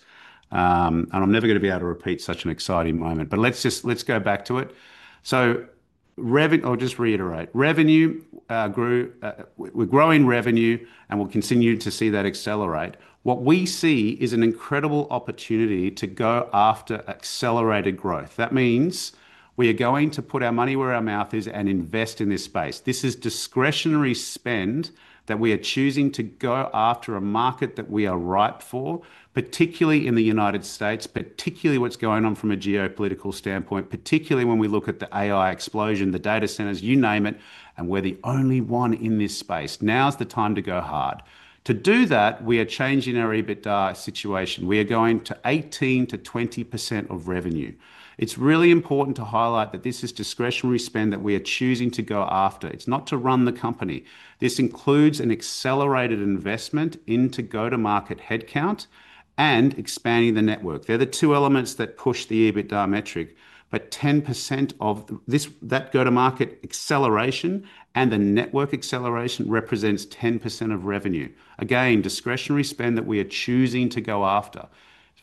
I'm never going to be able to repeat such an exciting moment. Let's just go back to it. I'll just reiterate. Revenue grew. We're growing revenue, and we'll continue to see that accelerate. What we see is an incredible opportunity to go after accelerated growth. That means we are going to put our money where our mouth is and invest in this space. This is discretionary spend that we are choosing to go after, a market that we are ripe for, particularly in the United States, particularly what's going on from a geopolitical standpoint, particularly when we look at the AI explosion, the data centers, you name it, and we're the only one in this space. Now's the time to go hard. To do that, we are changing our EBITDA situation. We are going to 18%-20% of revenue. It's really important to highlight that this is discretionary spend that we are choosing to go after. It's not to run the company. This includes an accelerated investment into go-to-market headcount and expanding the network. They're the two elements that push the EBITDA metric. 10% of that go-to-market acceleration and the network acceleration represents 10% of revenue. Again, discretionary spend that we are choosing to go after.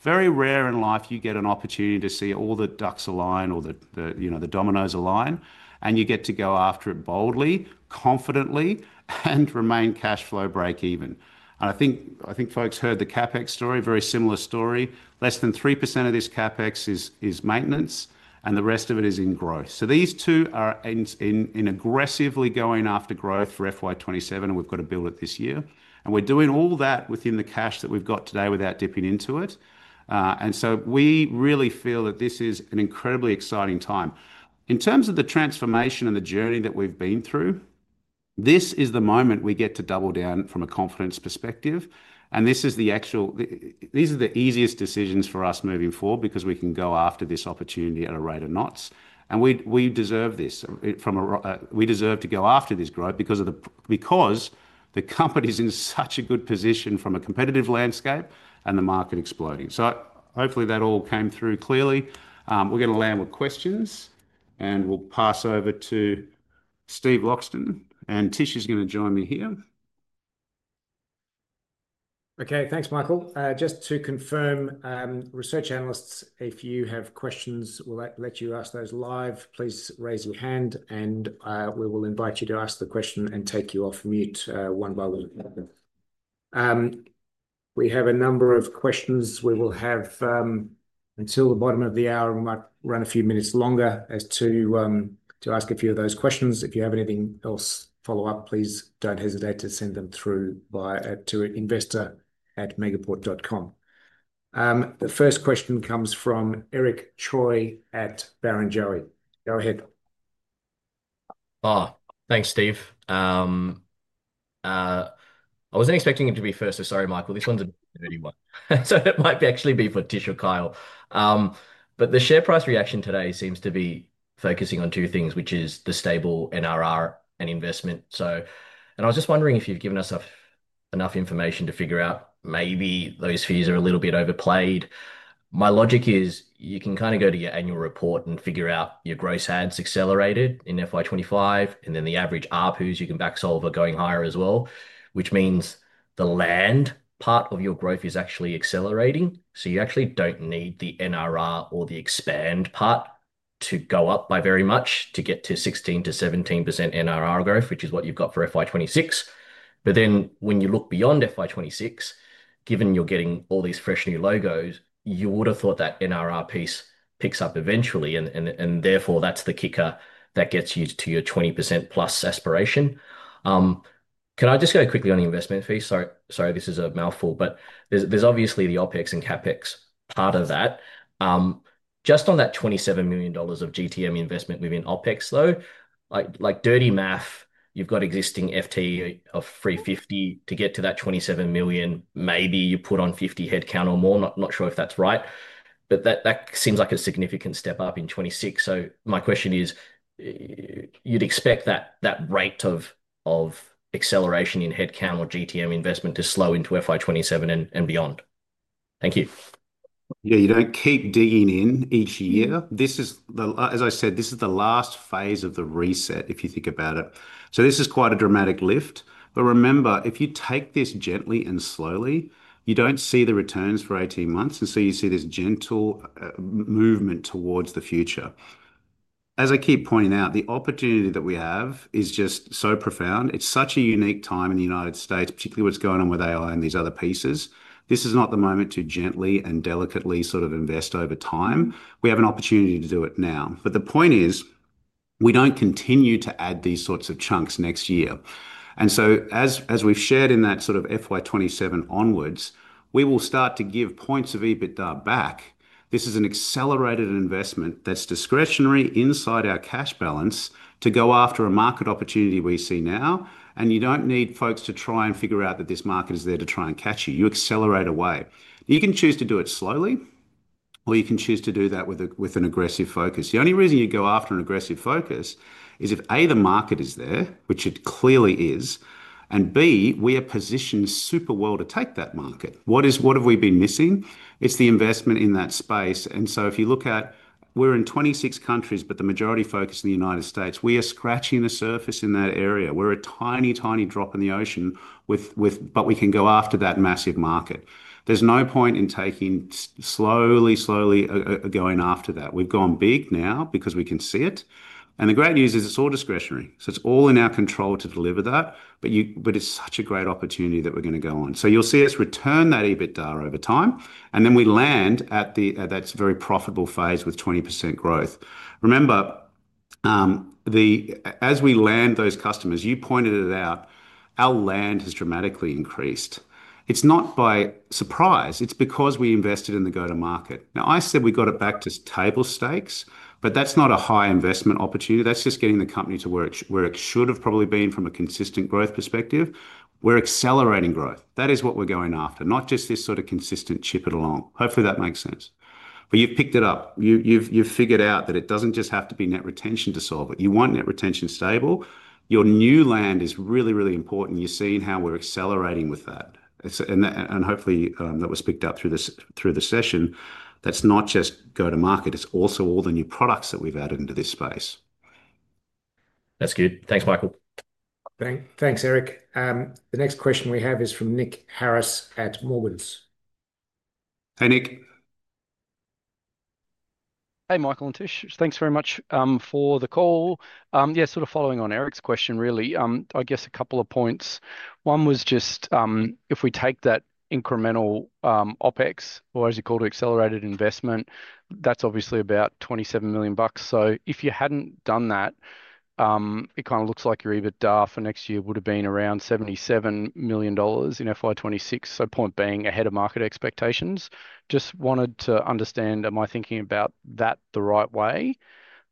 It's very rare in life you get an opportunity to see all the ducks align or the dominoes align, and you get to go after it boldly, confidently, and remain cash flow break even. I think folks heard the CapEx story, very similar story. Less than 3% of this CapEx is maintenance, and the rest of it is in growth. These two are in aggressively going after growth for FY 2027, and we've got to build it this year. We're doing all that within the cash that we've got today without dipping into it. We really feel that this is an incredibly exciting time. In terms of the transformation and the journey that we've been through, this is the moment we get to double down from a confidence perspective. These are the easiest decisions for us moving forward because we can go after this opportunity at a rate of knots. We deserve this. We deserve to go after this growth because the company is in such a good position from a competitive landscape and the market exploding. Hopefully that all came through clearly. We're going to land with questions, and we'll pass over to Steve Loxton. Tish is going to join me here. Okay, thanks, Michael. Just to confirm, research analysts, if you have questions, we'll let you ask those live. Please raise your hand, and we will invite you to ask the question and take you off mute. We have a number of questions. We will have until the bottom of the hour and run a few minutes longer to ask a few of those questions. If you have anything else follow up, please don't hesitate to send them through to investor@megaport.com. The first question comes from Eric Choi at Barrenjoey. Go ahead. Thanks, Steve. I wasn't expecting it to be first, so sorry, Michael. This one's a bit of a new one. It might actually be for Tish or Kyle. The share price reaction today seems to be focusing on two things, which is the stable NRR and investment. I was just wondering if you've given us enough information to figure out maybe those fears are a little bit overplayed. My logic is you can kind of go to your annual report and figure out your gross adds accelerated in FY 2025, and then the average ARPUs you can back solve are going higher as well, which means the land part of your growth is actually accelerating. You actually don't need the NRR or the expand part to go up by very much to get to 16%-17% NRR growth, which is what you've got for FY 2026. When you look beyond FY 2026, given you're getting all these fresh new logos, you would have thought that NRR piece picks up eventually. Therefore, that's the kicker that gets you to your 20%+ aspiration. Can I just go quickly on the investment piece? Sorry, this is a mouthful, but there's obviously the OpEx and CapEx part of that. Just on that $27 million of GTM investment within OpEx, though, like dirty math, you've got existing FTE of 350 to get to that $27 million. Maybe you put on 50 headcount or more. I'm not sure if that's right. That seems like a significant step up in 2026. My question is, you'd expect that rate of acceleration in headcount or GTM investment to slow into FY 2027 and beyond. Thank you. Yeah, you know, keep digging in each year. This is, as I said, the last phase of the reset, if you think about it. This is quite a dramatic lift. Remember, if you take this gently and slowly, you don't see the returns for 18 months, and you see this gentle movement towards the future. As I keep pointing out, the opportunity that we have is just so profound. It's such a unique time in the United States, particularly what's going on with AI and these other pieces. This is not the moment to gently and delicately sort of invest over time. We have an opportunity to do it now. The point is, we don't continue to add these sorts of chunks next year. As we've shared in that sort of FY 2027 onwards, we will start to give points of EBITDA back. This is an accelerated investment that's discretionary inside our cash balance to go after a market opportunity we see now. You don't need folks to try and figure out that this market is there to try and catch you. You accelerate away. You can choose to do it slowly, or you can choose to do that with an aggressive focus. The only reason you go after an aggressive focus is if A, the market is there, which it clearly is, and B, we are positioned super well to take that market. What have we been missing? It's the investment in that space. If you look at, we're in 26 countries, but the majority focus in the United States, we are scratching the surface in that area. We're a tiny, tiny drop in the ocean, but we can go after that massive market. There's no point in taking slowly, slowly going after that. We've gone big now because we can see it. The great news is it's all discretionary, so it's all in our control to deliver that. It's such a great opportunity that we're going to go on. You'll see us return that EBITDA over time, and then we land at that very profitable phase with 20% growth. Remember, as we land those customers, you pointed it out, our land has dramatically increased. It's not by surprise. It's because we invested in the go-to-market. I said we got it back to table stakes, but that's not a high investment opportunity. That's just getting the company to where it should have probably been from a consistent growth perspective. We're accelerating growth. That is what we're going after, not just this sort of consistent chip it along. Hopefully, that makes sense. You've picked it up. You've figured out that it doesn't just have to be net retention to solve it. You want net revenue retention stable. Your new land is really, really important. You're seeing how we're accelerating with that. Hopefully, that was picked up through the session. That's not just go-to-market. It's also all the new products that we've added into this space. That's good. Thanks, Michael. Thanks, Eric. The next question we have is from Nick Harris at Morgans. Hey, Nick. Hey, Michael and Tish. Thanks very much for the call. Yeah, sort of following on Eric's question, really. I guess a couple of points. One was just if we take that incremental OpEx, or as you call it, accelerated investment, that's obviously about $27 million. If you hadn't done that, it kind of looks like your EBITDA for next year would have been around $77 million in FY 2026. Point being, ahead of market expectations. Just wanted to understand, am I thinking about that the right way?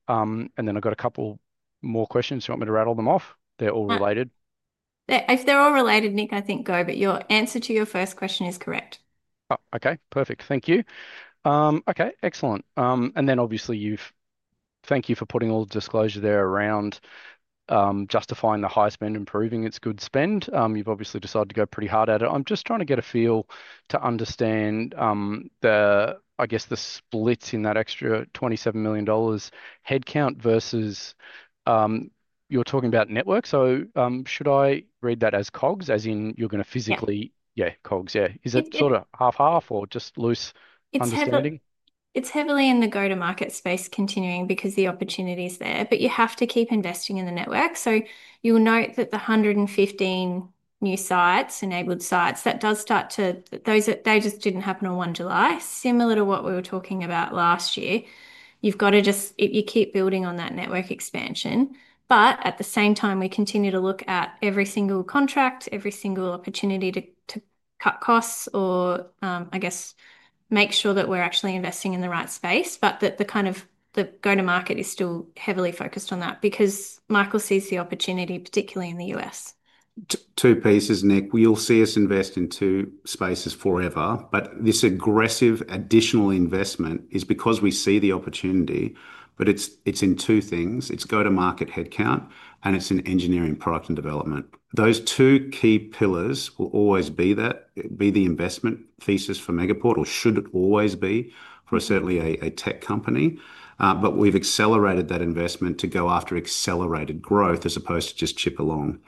I've got a couple more questions. Do you want me to rattle them off? They're all related. If they're all related, Nick, I think go, but your answer to your first question is correct. Oh, okay. Perfect. Thank you. Okay, excellent. Thank you for putting all the disclosure there around justifying the high spend and proving it's good spend. You've obviously decided to go pretty hard at it. I'm just trying to get a feel to understand the, I guess, the splits in that extra $27 million headcount versus you're talking about network. Should I read that as COGS, as in you're going to physically, yeah, COGS, yeah. Is it sort of half-half or just loose understanding? It's heavily in the go-to-market space continuing because the opportunity is there. You have to keep investing in the network. You'll note that the 115 new enabled sites, that does start to, those just didn't happen on July 1, similar to what we were talking about last year. You keep building on that network expansion. At the same time, we continue to look at every single contract, every single opportunity to cut costs, or make sure that we're actually investing in the right space. The go-to-market is still heavily focused on that because Michael sees the opportunity, particularly in the U.S. Two pieces, Nick. You'll see us invest in two spaces forever. This aggressive additional investment is because we see the opportunity. It's in two things: it's go-to-market headcount, and it's in engineering, product, and development. Those two key pillars will always be the investment thesis for Megaport, or should it always be for certainly a tech company. We've accelerated that investment to go after accelerated growth as opposed to just chip along.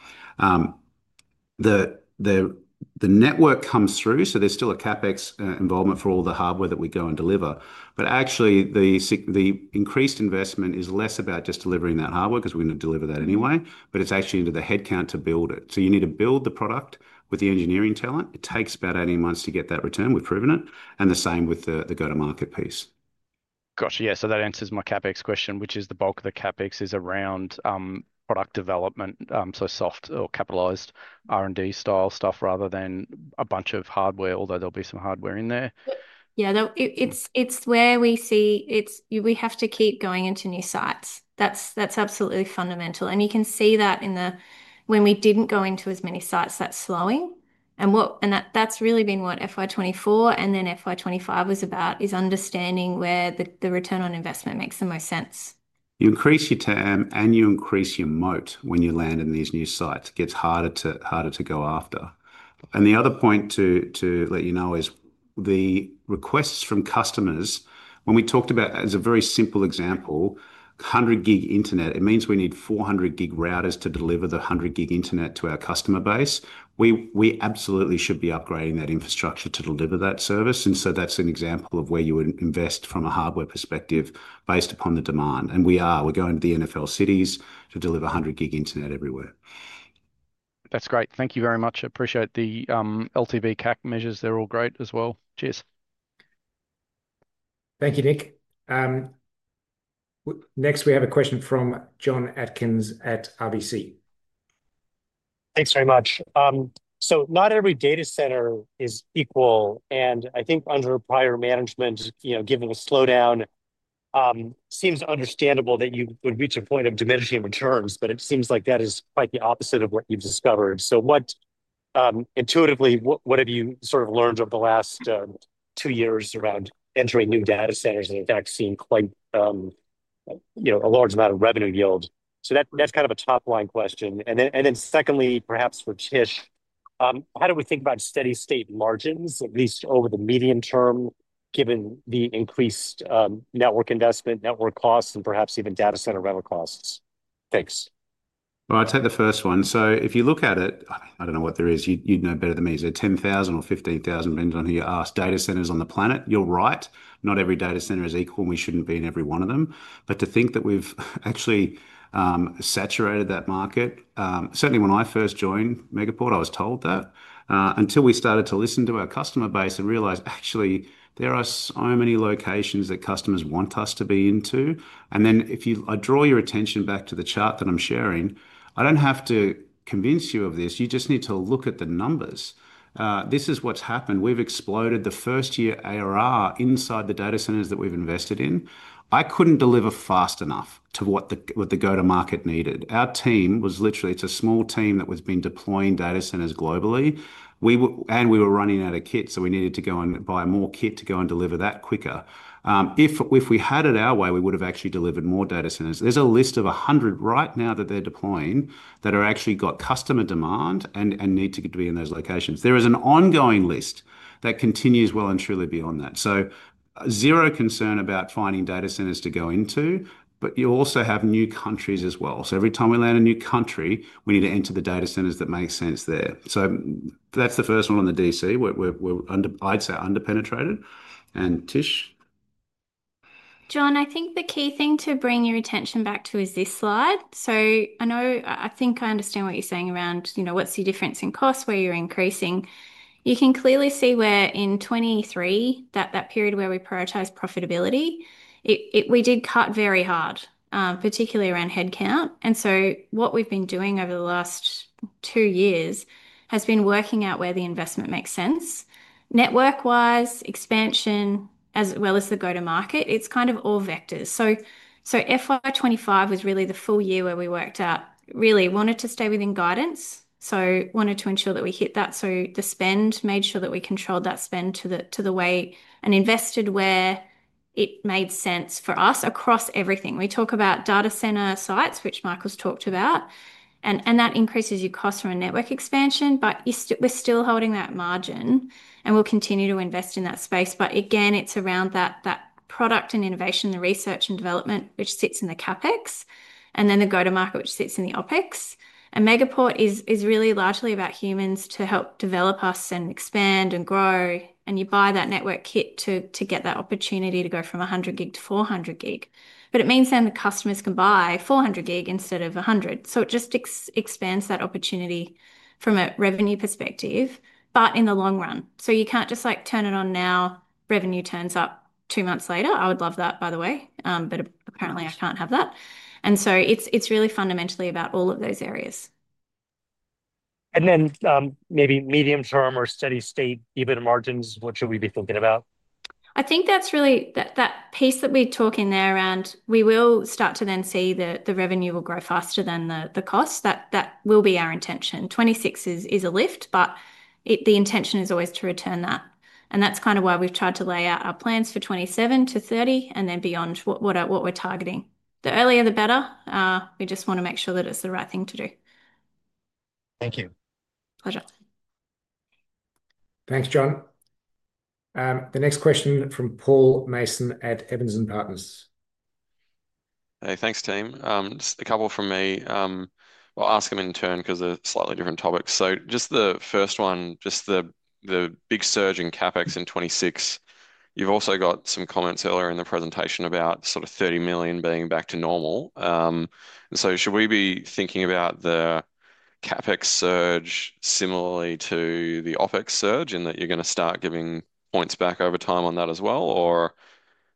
The network comes through, so there's still a CapEx involvement for all the hardware that we go and deliver. The increased investment is less about just delivering that hardware because we're going to deliver that anyway. It's actually into the headcount to build it. You need to build the product with the engineering talent. It takes about 18 months to get that return. We've proven it. The same with the go-to-market piece. Yeah, that answers my CapEx question, which is the bulk of the CapEx is around product development, so soft or capitalized R&D style stuff rather than a bunch of hardware, although there'll be some hardware in there. Yeah, it's where we see, we have to keep going into new sites. That's absolutely fundamental. You can see that in the, when we didn't go into as many sites, that's slowing. That's really been what FY 2024 and then FY 2025 was about, is understanding where the return on investment makes the most sense. You increase your TAM and you increase your moat when you land in these new sites. It gets harder to go after. The other point to let you know is the requests from customers, when we talked about, as a very simple example, 100 G internet, it means we need 400 G routers to deliver the 100 G internet to our customer base. We absolutely should be upgrading that infrastructure to deliver that service. That's an example of where you would invest from a hardware perspective based upon the demand. We are going to the NFL cities to deliver 100 G internet everywhere. That's great. Thank you very much. I appreciate the LTV/CAC measures. They're all great as well. Cheers. Thank you, Nick. Next, we have a question from Jon Atkin at RBC. Thanks very much. Not every data center is equal. I think under prior management, given the slowdown, it seems understandable that you would reach a point of diminishing returns. It seems like that is quite the opposite of what you've discovered. Intuitively, what have you learned over the last two years around entering new data centers and, in fact, seeing quite a large amount of revenue yield? That's kind of a top line question. Secondly, perhaps for Tish, how do we think about steady state margins, at least over the medium term, given the increased network investment, network costs, and perhaps even data center revenue costs? Thanks. I'd say the first one. If you look at it, I don't know what there is. You'd know better than me. Is it 10,000 or 15,000? It depends on who you ask. Data centers on the planet, you're right. Not every data center is equal, and we shouldn't be in every one of them. To think that we've actually saturated that market, certainly when I first joined Megaport, I was told that. Until we started to listen to our customer base and realized, actually, there are so many locations that customers want us to be into. If you, I draw your attention back to the chart that I'm sharing, I don't have to convince you of this. You just need to look at the numbers. This is what's happened. We've exploded the first year ARR inside the data centers that we've invested in. I couldn't deliver fast enough to what the go-to-market needed. Our team was literally, it's a small team that has been deploying data centers globally. We were running out of kit, so we needed to go and buy more kit to go and deliver that quicker. If we had it our way, we would have actually delivered more data centers. There's a list of 100 right now that they're deploying that have actually got customer demand and need to be in those locations. There is an ongoing list that continues well and truly beyond that. Zero concern about finding data centers to go into, but you also have new countries as well. Every time we land a new country, we need to enter the data centers that make sense there. That's the first one on the DC. We're, I'd say, underpenetrated. And Tish? John, I think the key thing to bring your attention back to is this slide. I think I understand what you're saying around, you know, what's the difference in cost, where you're increasing. You can clearly see where in 2023, that period where we prioritized profitability, we did cut very hard, particularly around headcount. What we've been doing over the last two years has been working out where the investment makes sense. Network-wise, expansion, as well as the go-to-market, it's kind of all vectors. FY 2025 was really the full year where we worked out, really wanted to stay within guidance. Wanted to ensure that we hit that. The spend made sure that we controlled that spend to the way and invested where it made sense for us across everything. We talk about data center sites, which Michael's talked about. That increases your costs from a network expansion, but we're still holding that margin. We'll continue to invest in that space. Again, it's around that product and innovation, the research and development, which sits in the CapEx, and then the go-to-market, which sits in the OpEx. Megaport is really largely about humans to help develop us and expand and grow. You buy that network kit to get that opportunity to go from 100 G to 400G. It means then the customers can buy 400 G instead of 100 G. It just expands that opportunity from a revenue perspective, but in the long run. You can't just like turn it on now, revenue turns up two months later. I would love that, by the way, but apparently I can't have that. It's really fundamentally about all of those areas. Maybe medium term or steady state EBITDA margins, what should we be thinking about? I think that's really that piece that we talk in there around we will start to then see that the revenue will grow faster than the cost. That will be our intention. 2026 is a lift, but the intention is always to return that. That's kind of why we've tried to lay out our plans for 20272030 and then beyond what we're targeting. The earlier, the better. We just want to make sure that it's the right thing to do. Thank you. Pleasure. Thanks, Jon. The next question from Paul Mason at Evans & Partners. Hey, thanks, team. Just a couple from me. I'll ask them in turn because they're slightly different topics. Just the first one, the big surge in CapEx in 2026. You've also got some comments earlier in the presentation about sort of $30 million being back to normal. Should we be thinking about the CapEx surge similarly to the OpEx surge in that you're going to start giving points back over time on that as well?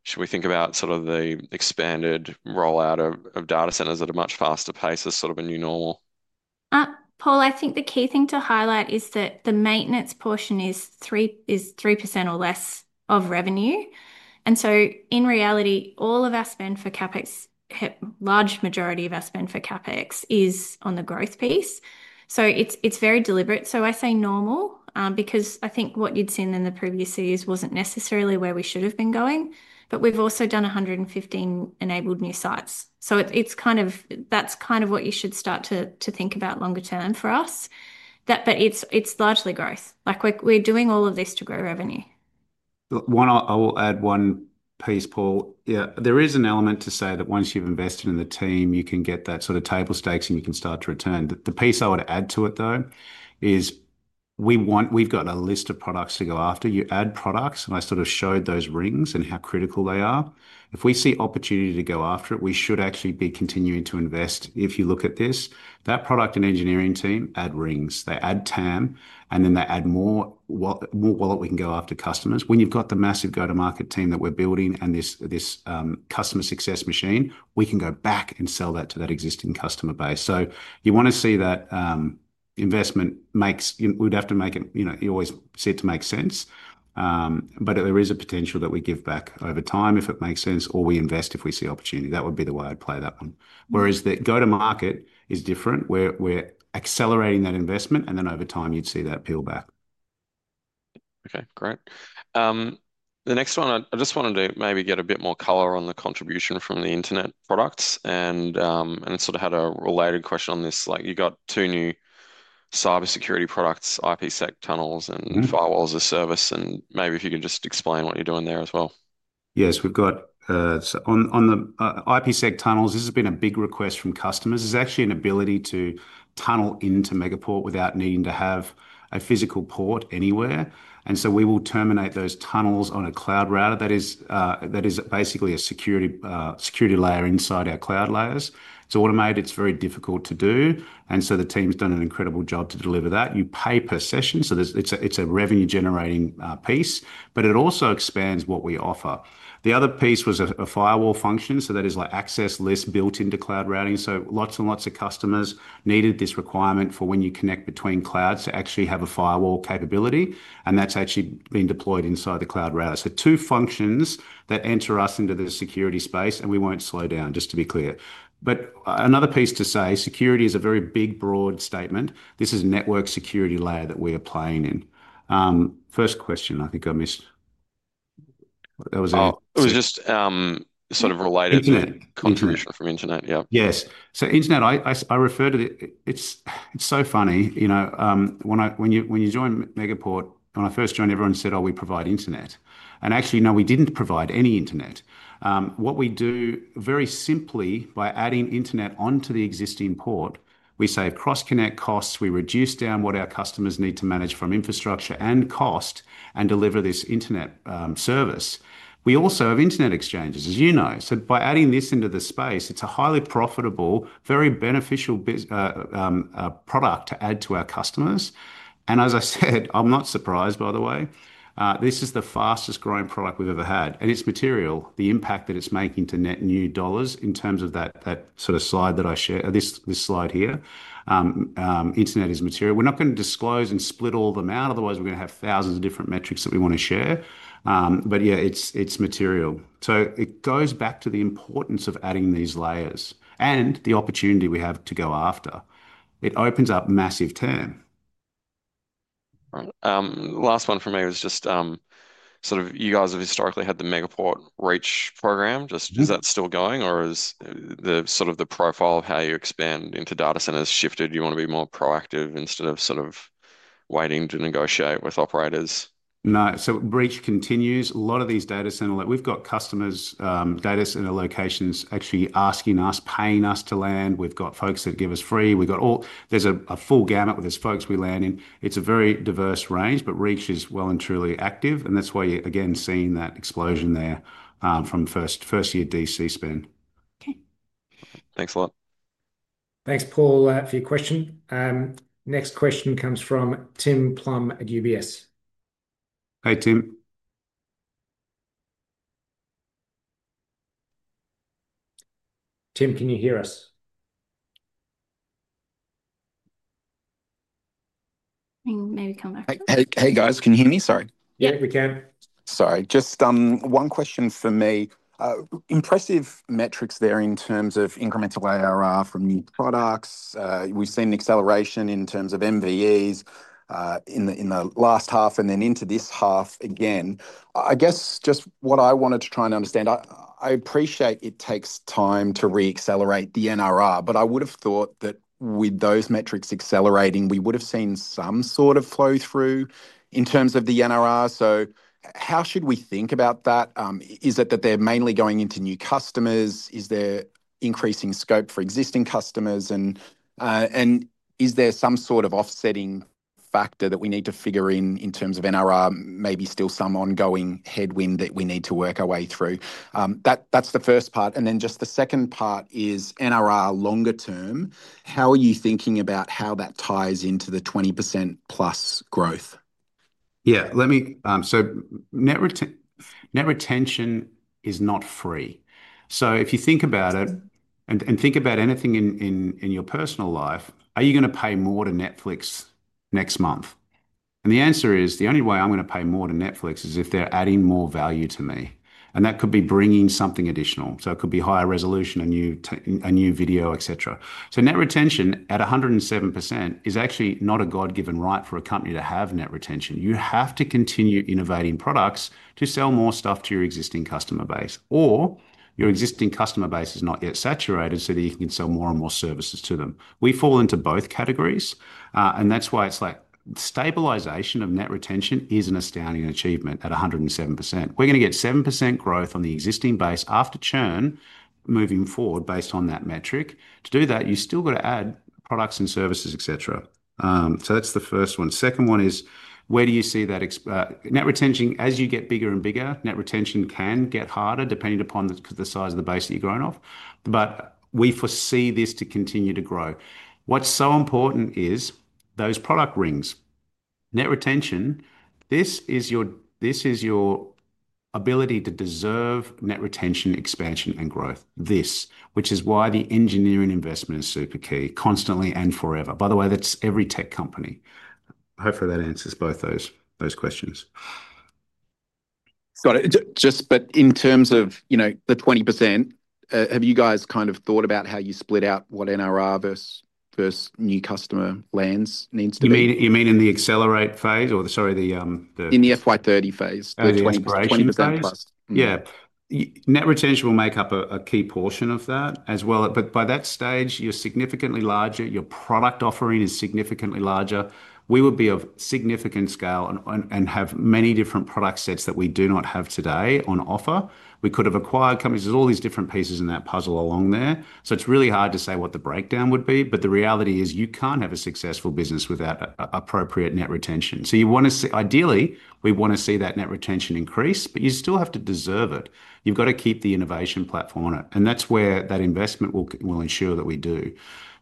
Should we think about the expanded rollout of data centers at a much faster pace as sort of a new normal? Paul, I think the key thing to highlight is that the maintenance portion is 3% or less of revenue. In reality, all of our spend for CapEx, a large majority of our spend for CapEx, is on the growth piece. It is very deliberate. I say normal because I think what you'd seen in the previous years wasn't necessarily where we should have been going. We've also done 115 enabled new sites. That's kind of what you should start to think about longer term for us. It's largely growth. We're doing all of this to grow revenue. One, I will add one piece, Paul. Yeah, there is an element to say that once you've invested in the team, you can get that sort of table stakes and you can start to return. The piece I would add to it, though, is we've got a list of products to go after. You add products, and I sort of showed those rings and how critical they are. If we see opportunity to go after it, we should actually be continuing to invest. If you look at this, that product and engineering team add rings. They add TAM, and then they add more wallet we can go after customers. When you've got the massive go-to-market team that we're building and this customer success machine, we can go back and sell that to that existing customer base. You want to see that investment makes, we'd have to make it, you know, you always see it to make sense. There is a potential that we give back over time if it makes sense, or we invest if we see opportunity. That would be the way I'd play that one. Whereas the go-to-market is different. We're accelerating that investment, and then over time you'd see that peel back. Okay, great. The next one, I just wanted to maybe get a bit more color on the contribution from the internet products. I had a related question on this. You've got two new cybersecurity products, IPsec tunnels and firewall-as-a-service. Maybe if you can just explain what you're doing there as well. Yes, we've got some on the IPsec tunnels. This has been a big request from customers. It's actually an ability to tunnel into Megaport without needing to have a physical port anywhere. We will terminate those tunnels on a Cloud Router. That is basically a security layer inside our cloud layers. It's automated. It's very difficult to do. The team's done an incredible job to deliver that. You pay per session. It's a revenue-generating piece, but it also expands what we offer. The other piece was a firewall function. That is like access lists built into cloud routing. Lots and lots of customers needed this requirement for when you connect between clouds to actually have a firewall capability. That's actually been deployed inside the Cloud Router. Two functions that enter us into the security space, and we won't slow down, just to be clear. Another piece to say, security is a very big, broad statement. This is a network security layer that we are playing in. First question I think I missed. Oh, it was just sort of related to controversial. Internet, yeah. Yes, so internet, I refer to it. It's so funny, you know, when I, when you join Megaport, when I first joined, everyone said, oh, we provide internet. Actually, no, we didn't provide any internet. What we do very simply by adding internet onto the existing port, we save cross-connect costs, we reduce down what our customers need to manage from infrastructure and cost, and deliver this internet service. We also have Internet Exchange, as you know. By adding this into the space, it's a highly profitable, very beneficial product to add to our customers. As I said, I'm not surprised, by the way, this is the fastest growing product we've ever had. It's material, the impact that it's making to net new dollars in terms of that sort of slide that I shared, this slide here. Internet is material. We're not going to disclose and split all of them out. Otherwise, we're going to have thousands of different metrics that we want to share. Yeah, it's material. It goes back to the importance of adding these layers and the opportunity we have to go after. It opens up massive turn. Last one for me was just sort of you guys have historically had the Megaport Reach program. Is that still going, or is the sort of the profile of how you expand into data centers shifted? You want to be more proactive instead of sort of waiting to negotiate with operators? No, Reach continues. A lot of these data centers, like we've got customers, data center locations actually asking us, paying us to land. We've got folks that give us free. We've got all, there's a full gamut with these folks we land in. It's a very diverse range. Reach is well and truly active. That's why you're again seeing that explosion there from first year DC spend. Thanks a lot. Thanks, Paul, for your question. Next question comes from Tim Plumbe at UBS. Hey, Tim. Tim, can you hear us? Hey, guys, can you hear me? Sorry. Yeah, we can. Sorry. Just one question for me. Impressive metrics there in terms of incremental ARR from new products. We've seen an acceleration in terms of MVEs in the last half and then into this half again. I guess just what I wanted to try and understand, I appreciate it takes time to re-accelerate the NRR, but I would have thought that with those metrics accelerating, we would have seen some sort of flow through in terms of the NRR. How should we think about that? Is it that they're mainly going into new customers? Is there increasing scope for existing customers? Is there some sort of offsetting factor that we need to figure in in terms of NRR? Maybe still some ongoing headwind that we need to work our way through. That's the first part. The second part is NRR longer term. How are you thinking about how that ties into the 20%+ growth? Yeah, let me, so net retention is not free. If you think about it and think about anything in your personal life, are you going to pay more to Netflix next month? The answer is the only way I'm going to pay more to Netflix is if they're adding more value to me. That could be bringing something additional. It could be higher resolution, a new video, et cetera. Net retention at 107% is actually not a God-given right for a company to have net retention. You have to continue innovating products to sell more stuff to your existing customer base, or your existing customer base is not yet saturated so that you can sell more and more services to them. We fall into both categories. That's why stabilization of net retention is an astounding achievement at 107%. We're going to get 7% growth on the existing base after churn moving forward based on that metric. To do that, you still got to add products and services, et cetera. That's the first one. The second one is where do you see that net retention? As you get bigger and bigger, net retention can get harder depending upon the size of the base that you're growing off. We foresee this to continue to grow. What's so important is those product rings. Net retention, this is your ability to deserve net retention, expansion, and growth. This is why the engineering investment is super key, constantly and forever. By the way, that's every tech company. Hopefully, that answers both those questions. In terms of the 20%, have you guys kind of thought about how you split out what net revenue retention versus new customer lands needs to be? You mean in the accelerate phase or the, sorry, the... In the FY 2030 phase, the 20%+. Yeah, net retention will make up a key portion of that as well. By that stage, you're significantly larger. Your product offering is significantly larger. We would be of significant scale and have many different product sets that we do not have today on offer. We could have acquired companies. There are all these different pieces in that puzzle along there. It's really hard to say what the breakdown would be. The reality is you can't have a successful business without appropriate net retention. You want to see, ideally, we want to see that net retention increase, but you still have to deserve it. You've got to keep the innovation platform on it. That investment will ensure that we do.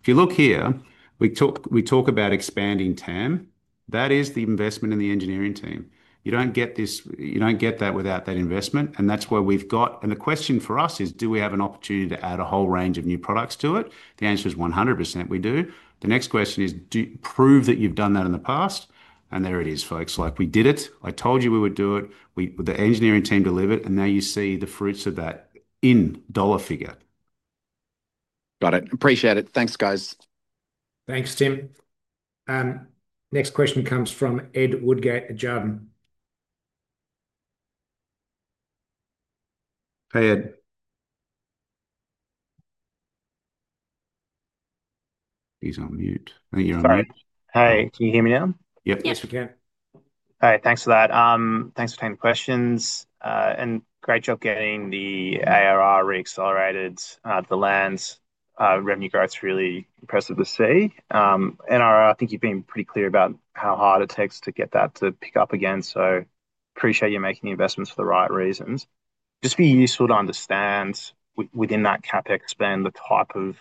If you look here, we talk about expanding TAM. That is the investment in the engineering team. You don't get this, you don't get that without that investment. That's where we've got. The question for us is, do we have an opportunity to add a whole range of new products to it? The answer is 100% we do. The next question is, prove that you've done that in the past. There it is, folks. Like we did it. I told you we would do it. The engineering team delivered it. Now you see the fruits of that in dollar figure. Got it. Appreciate it. Thanks, guys. Thanks, Tim. Next question comes from Ed Woodgate at Jarden. Hey, Ed. You're on mute. Hey, can you hear me now? Yep. Yes, we can. Hey, thanks for that. Thanks for taking the questions. Great job getting the ARR reaccelerated. The lands, revenue growth's really impressive to see. I think you've been pretty clear about how hard it takes to get that to pick up again. I appreciate you making the investments for the right reasons. It would be useful to understand within that CapEx spend the type of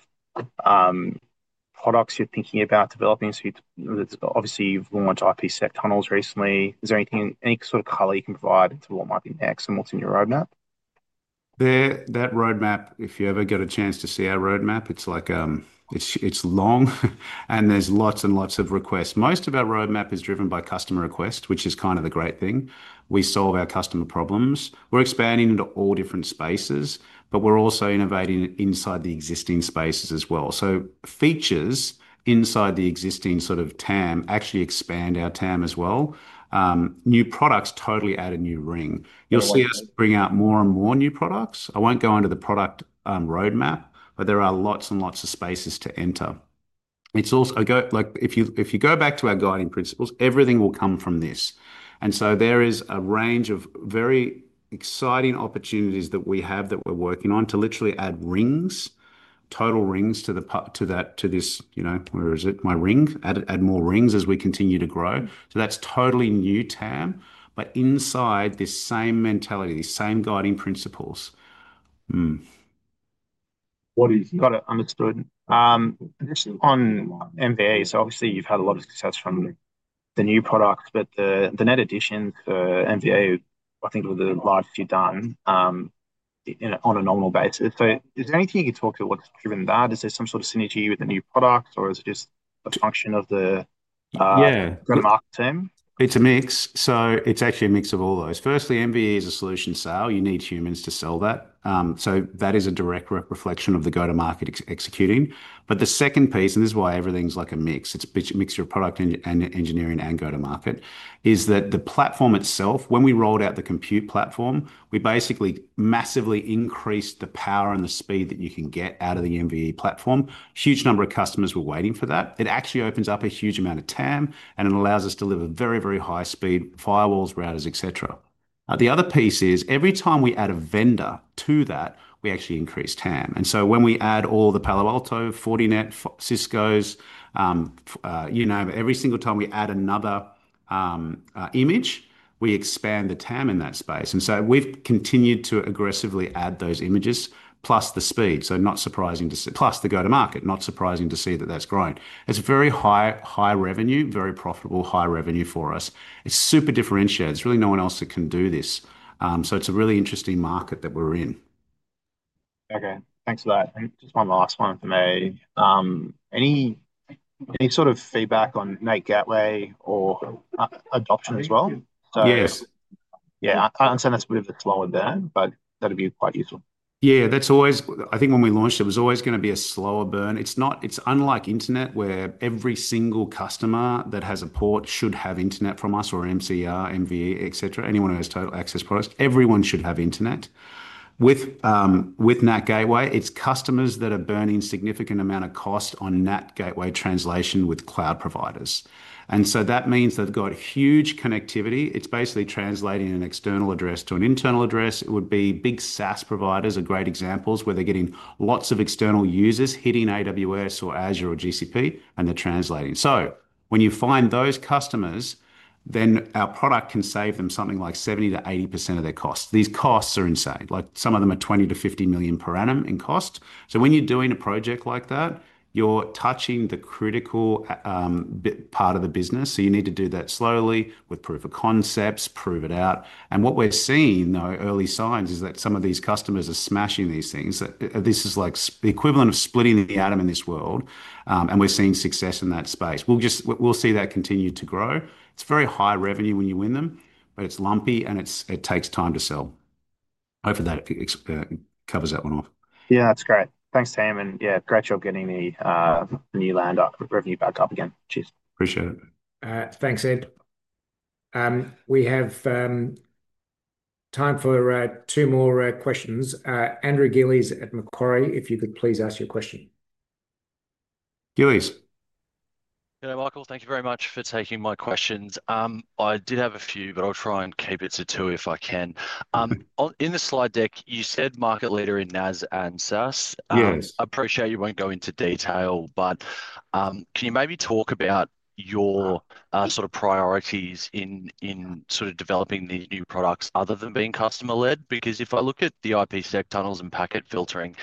products you're thinking about developing. Obviously, you've launched IPsec tunnels recently. Is there anything, any sort of color you can provide to what might be next and what's in your roadmap? That roadmap, if you ever get a chance to see our roadmap, it's long and there's lots and lots of requests. Most of our roadmap is driven by customer request, which is kind of a great thing. We solve our customer problems. We're expanding into all different spaces, but we're also innovating inside the existing spaces as well. Features inside the existing sort of TAM actually expand our TAM as well. New products totally add a new ring. You'll see us bring out more and more new products. I won't go into the product roadmap, but there are lots and lots of spaces to enter. If you go back to our guiding principles, everything will come from this. There is a range of very exciting opportunities that we have that we're working on to literally add rings, total rings to that, to this, you know, where is it, my ring? Add more rings as we continue to grow. That's totally new TAM, but inside this same mentality, same guiding principles. Got it. I'm exploding. This is on MVE. Obviously, you've had a lot of success from the new products, but the net addition for MVE, I think it was the largest you've done on a normal basis. Is there anything you could talk about what's driven that? Is there some sort of synergy with the new products, or is it just a function of the go-to-market team? It's a mix. It's actually a mix of all those. Firstly, MVE is a solution sale. You need humans to sell that. That is a direct reflection of the go-to-market executing. The second piece, and this is why everything's like a mix, it's a mix of your product and your engineering and go-to-market, is that the platform itself, when we rolled out the compute platform, we basically massively increased the power and the speed that you can get out of the MVE platform. A huge number of customers were waiting for that. It actually opens up a huge amount of TAM and it allows us to deliver very, very high speed firewalls, routers, et cetera. Every time we add a vendor to that, we actually increase TAM. When we add all the Palo Alto, Fortinet, Ciscos, you name it, every single time we add another image, we expand the TAM in that space. We've continued to aggressively add those images, plus the speed. Not surprising to see, plus the go-to-market, not surprising to see that that's growing. It's a very high revenue, very profitable high revenue for us. It's super differentiated. There's really no one else that can do this. It's a really interesting market that we're in. Okay, thanks for that. Just one last one for me. Any sort of feedback on NAT Gateway or adoption as well? Yes. Yeah, I understand that's a bit of a slower burn, but that'd be quite useful. Yeah, that's always, I think when we launched it, it was always going to be a slower burn. It's not, it's unlike internet where every single customer that has a Port should have internet from us or MCR, MVE, et cetera, anyone who has total access products, everyone should have internet. With NAT Gateway, it's customers that are burning a significant amount of cost on NAT Gateway translation with cloud providers. That means they've got huge connectivity. It's basically translating an external address to an internal address. Big SaaS providers are great examples where they're getting lots of external users hitting AWS or Azure or GCP, and they're translating. When you find those customers, then our product can save them something like 70%-80% of their costs. These costs are insane. Some of them are $20 million-$50 million per annum in cost. When you're doing a project like that, you're touching the critical part of the business. You need to do that slowly with proof of concepts, prove it out. What we're seeing, though, early signs is that some of these customers are smashing these things. This is like the equivalent of splitting the atom in this world. We're seeing success in that space. We'll see that continue to grow. It's very high revenue when you win them, but it's lumpy and it takes time to sell. Hopefully, that covers that one off. Yeah, that's great. Thanks, [Sam]. Great job getting the new land revenue back up again. Appreciate it. Thanks, Ed. We have time for two more questions. Andrew Gillies at Macquarie, if you could please ask your question. Gillies. Hello, Michael. Thank you very much for taking my questions. I did have a few, but I'll try and keep it to two if I can. In the slide deck, you said market leader in NaaS and SaaS. Yes. I appreciate you won't go into detail, but can you maybe talk about your sort of priorities in developing these new products other than being customer-led? Because if I look at the IPsec tunnels and packet filtering,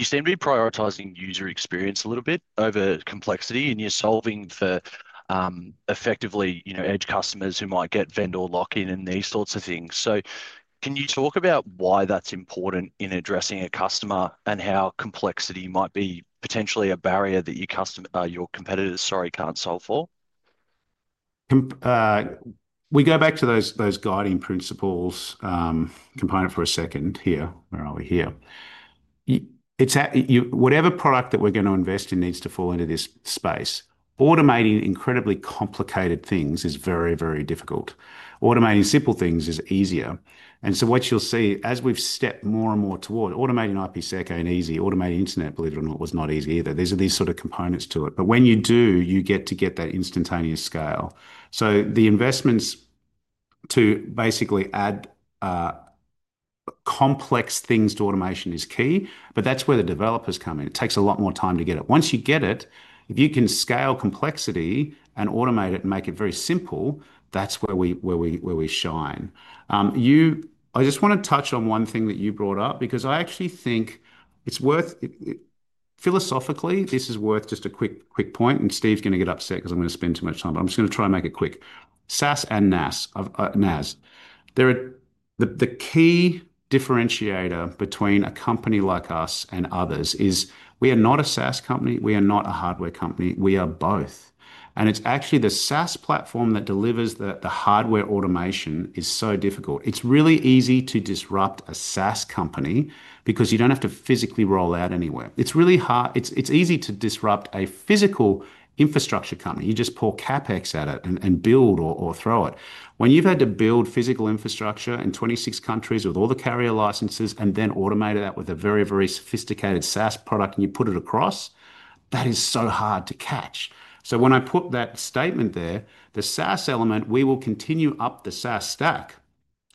you seem to be prioritizing user experience a little bit over complexity, and you're solving for, effectively, edge customers who might get vendor lock-in and these sorts of things. Can you talk about why that's important in addressing a customer and how complexity might be potentially a barrier that your competitors can't solve for? We go back to those guiding principles component for a second here. Where are we here? Whatever product that we're going to invest in needs to fall into this space. Automating incredibly complicated things is very, very difficult. Automating simple things is easier. What you'll see as we've stepped more and more toward automating IPsec and easy, automating internet, believe it or not, was not easy either. These are these sort of components to it. When you do, you get to get that instantaneous scale. The investments to basically add complex things to automation is key, but that's where the developers come in. It takes a lot more time to get it. Once you get it, if you can scale complexity and automate it and make it very simple, that's where we shine. I just want to touch on one thing that you brought up because I actually think it's worth, philosophically, this is worth just a quick point, and Steve's going to get upset because I'm going to spend too much time, but I'm just going to try and make it quick. SaaS and NaaS. The key differentiator between a company like us and others is we are not a SaaS company. We are not a hardware company. We are both. It's actually the SaaS platform that delivers the hardware automation is so difficult. It's really easy to disrupt a SaaS company because you don't have to physically roll out anywhere. It's really hard. It's easy to disrupt a physical infrastructure company. You just pour CapEx at it and build or throw it. When you've had to build physical infrastructure in 26 countries with all the carrier licenses and then automate it out with a very, very sophisticated SaaS product and you put it across, that is so hard to catch. When I put that statement there, the SaaS element, we will continue up the SaaS stack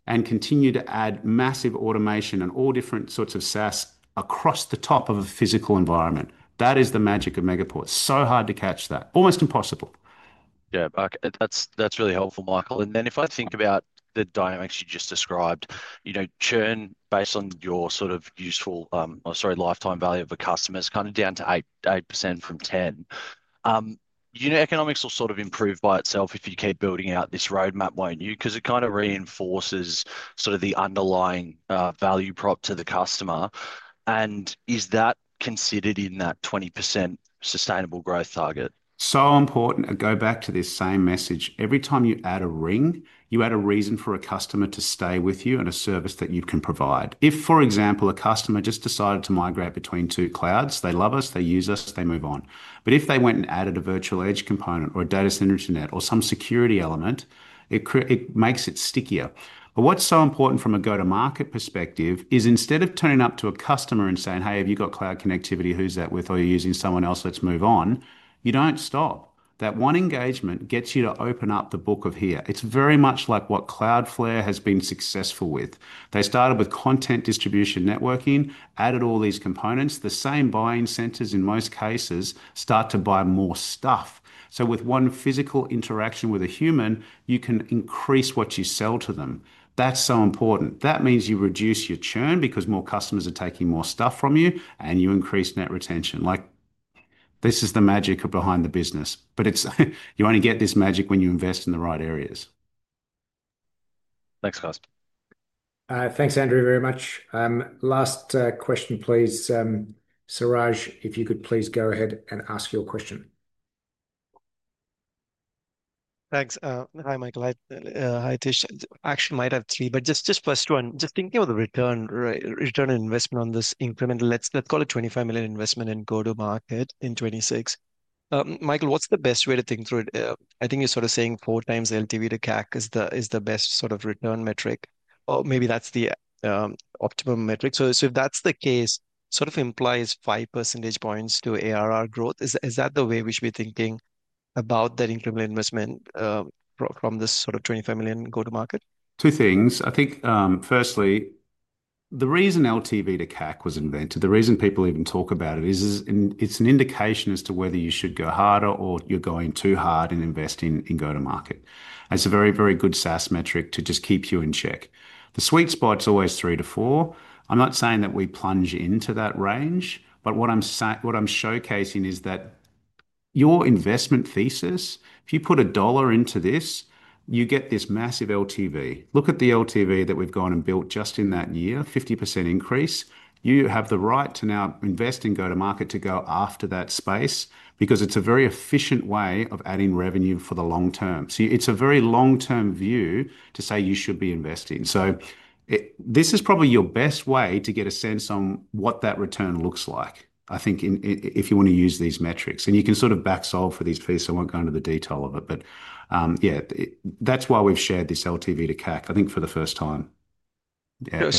and continue to add massive automation and all different sorts of SaaS across the top of a physical environment. That is the magic of Megaport. So hard to catch that. Almost impossible. Yeah, that's really helpful, Michael. If I think about the dynamics you just described, churn based on your sort of lifetime value of a customer is kind of down to 8% from 10%. Economics will sort of improve by itself if you keep building out this roadmap, won't you? It kind of reinforces the underlying value prop to the customer. Is that considered in that 20% sustainable growth target? so important. I go back to this same message. Every time you add a ring, you add a reason for a customer to stay with you and a service that you can provide. If, for example, a customer just decided to migrate between two clouds, they love us, they use us, they move on. If they went and added a virtual edge component or a data center internet or some security element, it makes it stickier. What is so important from a go-to-market perspective is instead of turning up to a customer and saying, "Hey, have you got cloud connectivity? Who's that with? Are you using someone else? Let's move on." You do not stop. That one engagement gets you to open up the book of here. It is very much like what Cloudflare has been successful with. They started with content distribution networking, added all these components. The same buying centers in most cases start to buy more stuff. With one physical interaction with a human, you can increase what you sell to them. That is so important. That means you reduce your churn because more customers are taking more stuff from you and you increase net retention. This is the magic behind the business. You only get this magic when you invest in the right areas. Thanks, guys. Thanks, Andrew, very much. Last question, please. Siraj, if you could please go ahead and ask your question. Thanks. Hi, Michael. Hi, Tish. Actually, I might have three, but just plus one. Just thinking about the return and investment on this incremental, let's call it $25 million investment and go-to-market in 2026. Michael, what's the best way to think through it? I think you're sort of saying four times LTV to CAC is the best sort of return metric, or maybe that's the optimum metric. If that's the case, it sort of implies five percentage points to ARR growth. Is that the way we should be thinking about that incremental investment from this $25 million go-to-market? Two things. I think firstly, the reason LTV/CAC was invented, the reason people even talk about it is it's an indication as to whether you should go harder or you're going too hard and invest in go-to-market. It's a very, very good SaaS metric to just keep you in check. The sweet spot is always 3-4. I'm not saying that we plunge into that range, but what I'm showcasing is that your investment thesis, if you put a dollar into this, you get this massive LTV. Look at the LTV that we've gone and built just in that year, 50% increase. You have the right to now invest in go-to-market to go after that space because it's a very efficient way of adding revenue for the long term. It's a very long-term view to say you should be investing. This is probably your best way to get a sense on what that return looks like, I think, if you want to use these metrics. You can sort of backsolve for these fees, so I won't go into the detail of it. That's why we've shared this LTV/CAC, I think, for the first time. Michael,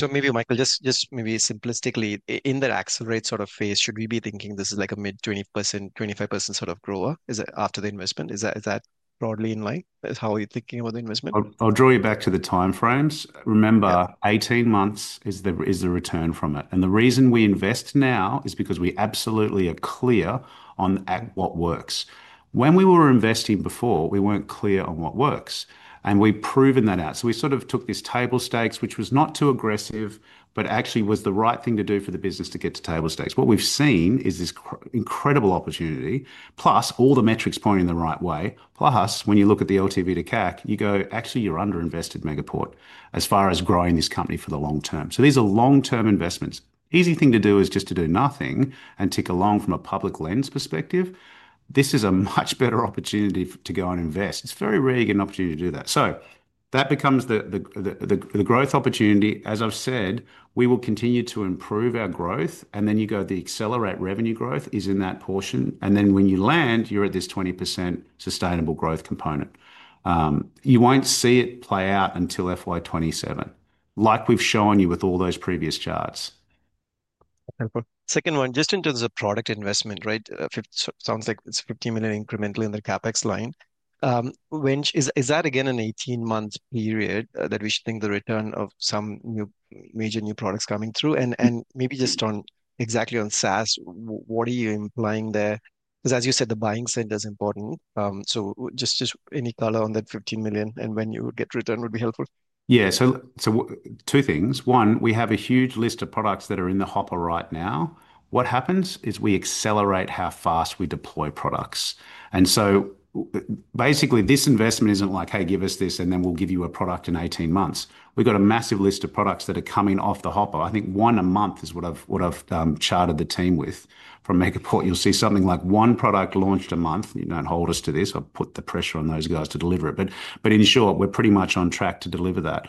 just maybe simplistically, in that accelerate sort of phase, should we be thinking this is like a mid-20%, 25% sort of grower? Is it after the investment? Is that broadly in mind? How are you thinking about the investment? I'll draw you back to the timeframes. Remember, 18 months is the return from it. The reason we invest now is because we absolutely are clear on what works. When we were investing before, we weren't clear on what works, and we've proven that out. We sort of took this table stakes, which was not too aggressive, but actually was the right thing to do for the business to get to table stakes. What we've seen is this incredible opportunity, plus all the metrics pointing the right way. Plus, when you look at the LTV/CAC, you go, actually, you're underinvested Megaport as far as growing this company for the long term. These are long-term investments. The easy thing to do is just to do nothing and tick along from a public lens perspective. This is a much better opportunity to go and invest. It's very rare you get an opportunity to do that. That becomes the growth opportunity. As I've said, we will continue to improve our growth, and then you go, the accelerate revenue growth is in that portion. When you land, you're at this 20% sustainable growth component. You won't see it play out until FY 2027, like we've shown you with all those previous charts. Second one, just in terms of product investment, right? It sounds like it's $15 million incrementally in the CapEx line. Is that again an 18-month period that we should think the return of some new major new products coming through? Maybe just on exactly on SaaS, what are you implying there? Because as you said, the buying center is important. Just any color on that $15 million and when you get return would be helpful. Yeah, two things. One, we have a huge list of products that are in the hopper right now. What happens is we accelerate how fast we deploy products. Basically, this investment isn't like, "Hey, give us this and then we'll give you a product in 18 months." We've got a massive list of products that are coming off the hopper. I think one a month is what I've charted the team with from Megaport. You'll see something like one product launched a month. Don't hold us to this. I'll put the pressure on those guys to deliver it. In short, we're pretty much on track to deliver that.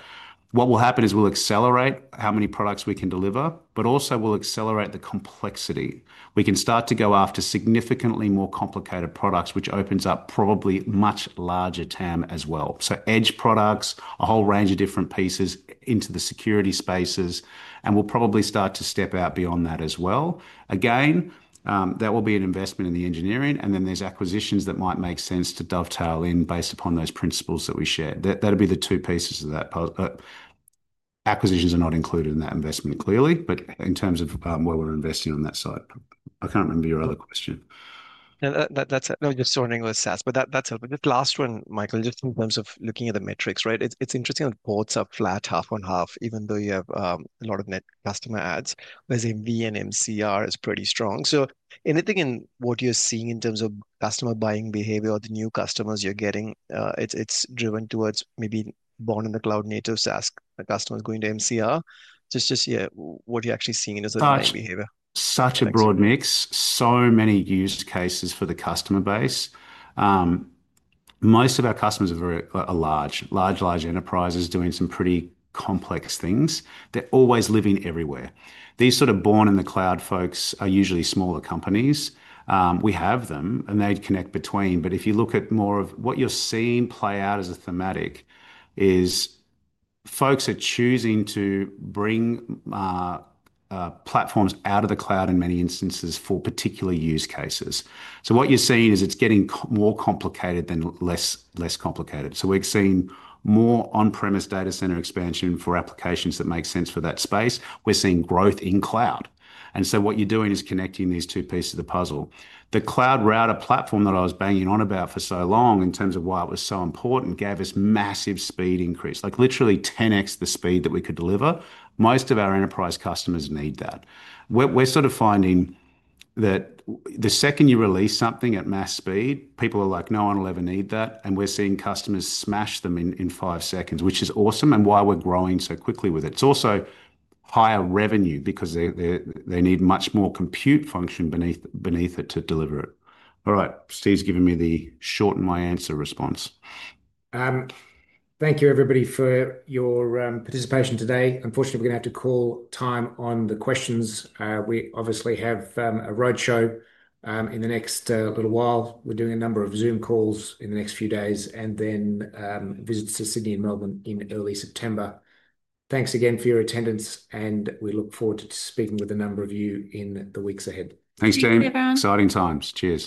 What will happen is we'll accelerate how many products we can deliver, but also we'll accelerate the complexity. We can start to go after significantly more complicated products, which opens up probably much larger TAM as well. Edge products, a whole range of different pieces into the security spaces, and we'll probably start to step out beyond that as well. Again, that will be an investment in the engineering, and then there's acquisitions that might make sense to dovetail in based upon those principles that we shared. That'll be the two pieces of that. Acquisitions are not included in that investment clearly, but in terms of where we're investing on that side. I can't remember your other question. No, that's it. We're just sorting with SaaS, but that's it. Just last one, Michael, just in terms of looking at the metrics, right? It's interesting that Ports are flat half on half, even though you have a lot of net customer ads. I say view in MCR is pretty strong. Anything in what you're seeing in terms of customer buying behavior or the new customers you're getting, it's driven towards maybe born in the cloud native SaaS, the customers going to MCR. Just to see what you're actually seeing in terms of behavior. Such a broad mix, so many use cases for the customer base. Most of our customers are very large, large, large enterprises doing some pretty complex things. They're always living everywhere. These sort of born in the cloud folks are usually smaller companies. We have them, and they'd connect between. If you look at more of what you're seeing play out as a thematic, folks are choosing to bring platforms out of the cloud in many instances for particular use cases. What you're seeing is it's getting more complicated than less complicated. We're seeing more on-premise data center expansion for applications that make sense for that space. We're seeing growth in cloud. What you're doing is connecting these two pieces of the puzzle. The cloud router platform that I was banging on about for so long in terms of why it was so important gave us massive speed increase, like literally 10x the speed that we could deliver. Most of our enterprise customers need that. We're sort of finding that the second you release something at mass speed, people are like, "No, I'll never need that." We're seeing customers smash them in five seconds, which is awesome and why we're growing so quickly with it. It's also higher revenue because they need much more compute function beneath it to deliver it. All right, Steve's giving me the shorten my answer response. Thank you, everybody, for your participation today. Unfortunately, we're going to have to call time on the questions. We obviously have a roadshow in the next little while. We're doing a number of Zoom calls in the next few days and then visits to Sydney and Melbourne in early September. Thanks again for your attendance, and we look forward to speaking with a number of you in the weeks ahead. Thanks, James. Exciting times. Cheers.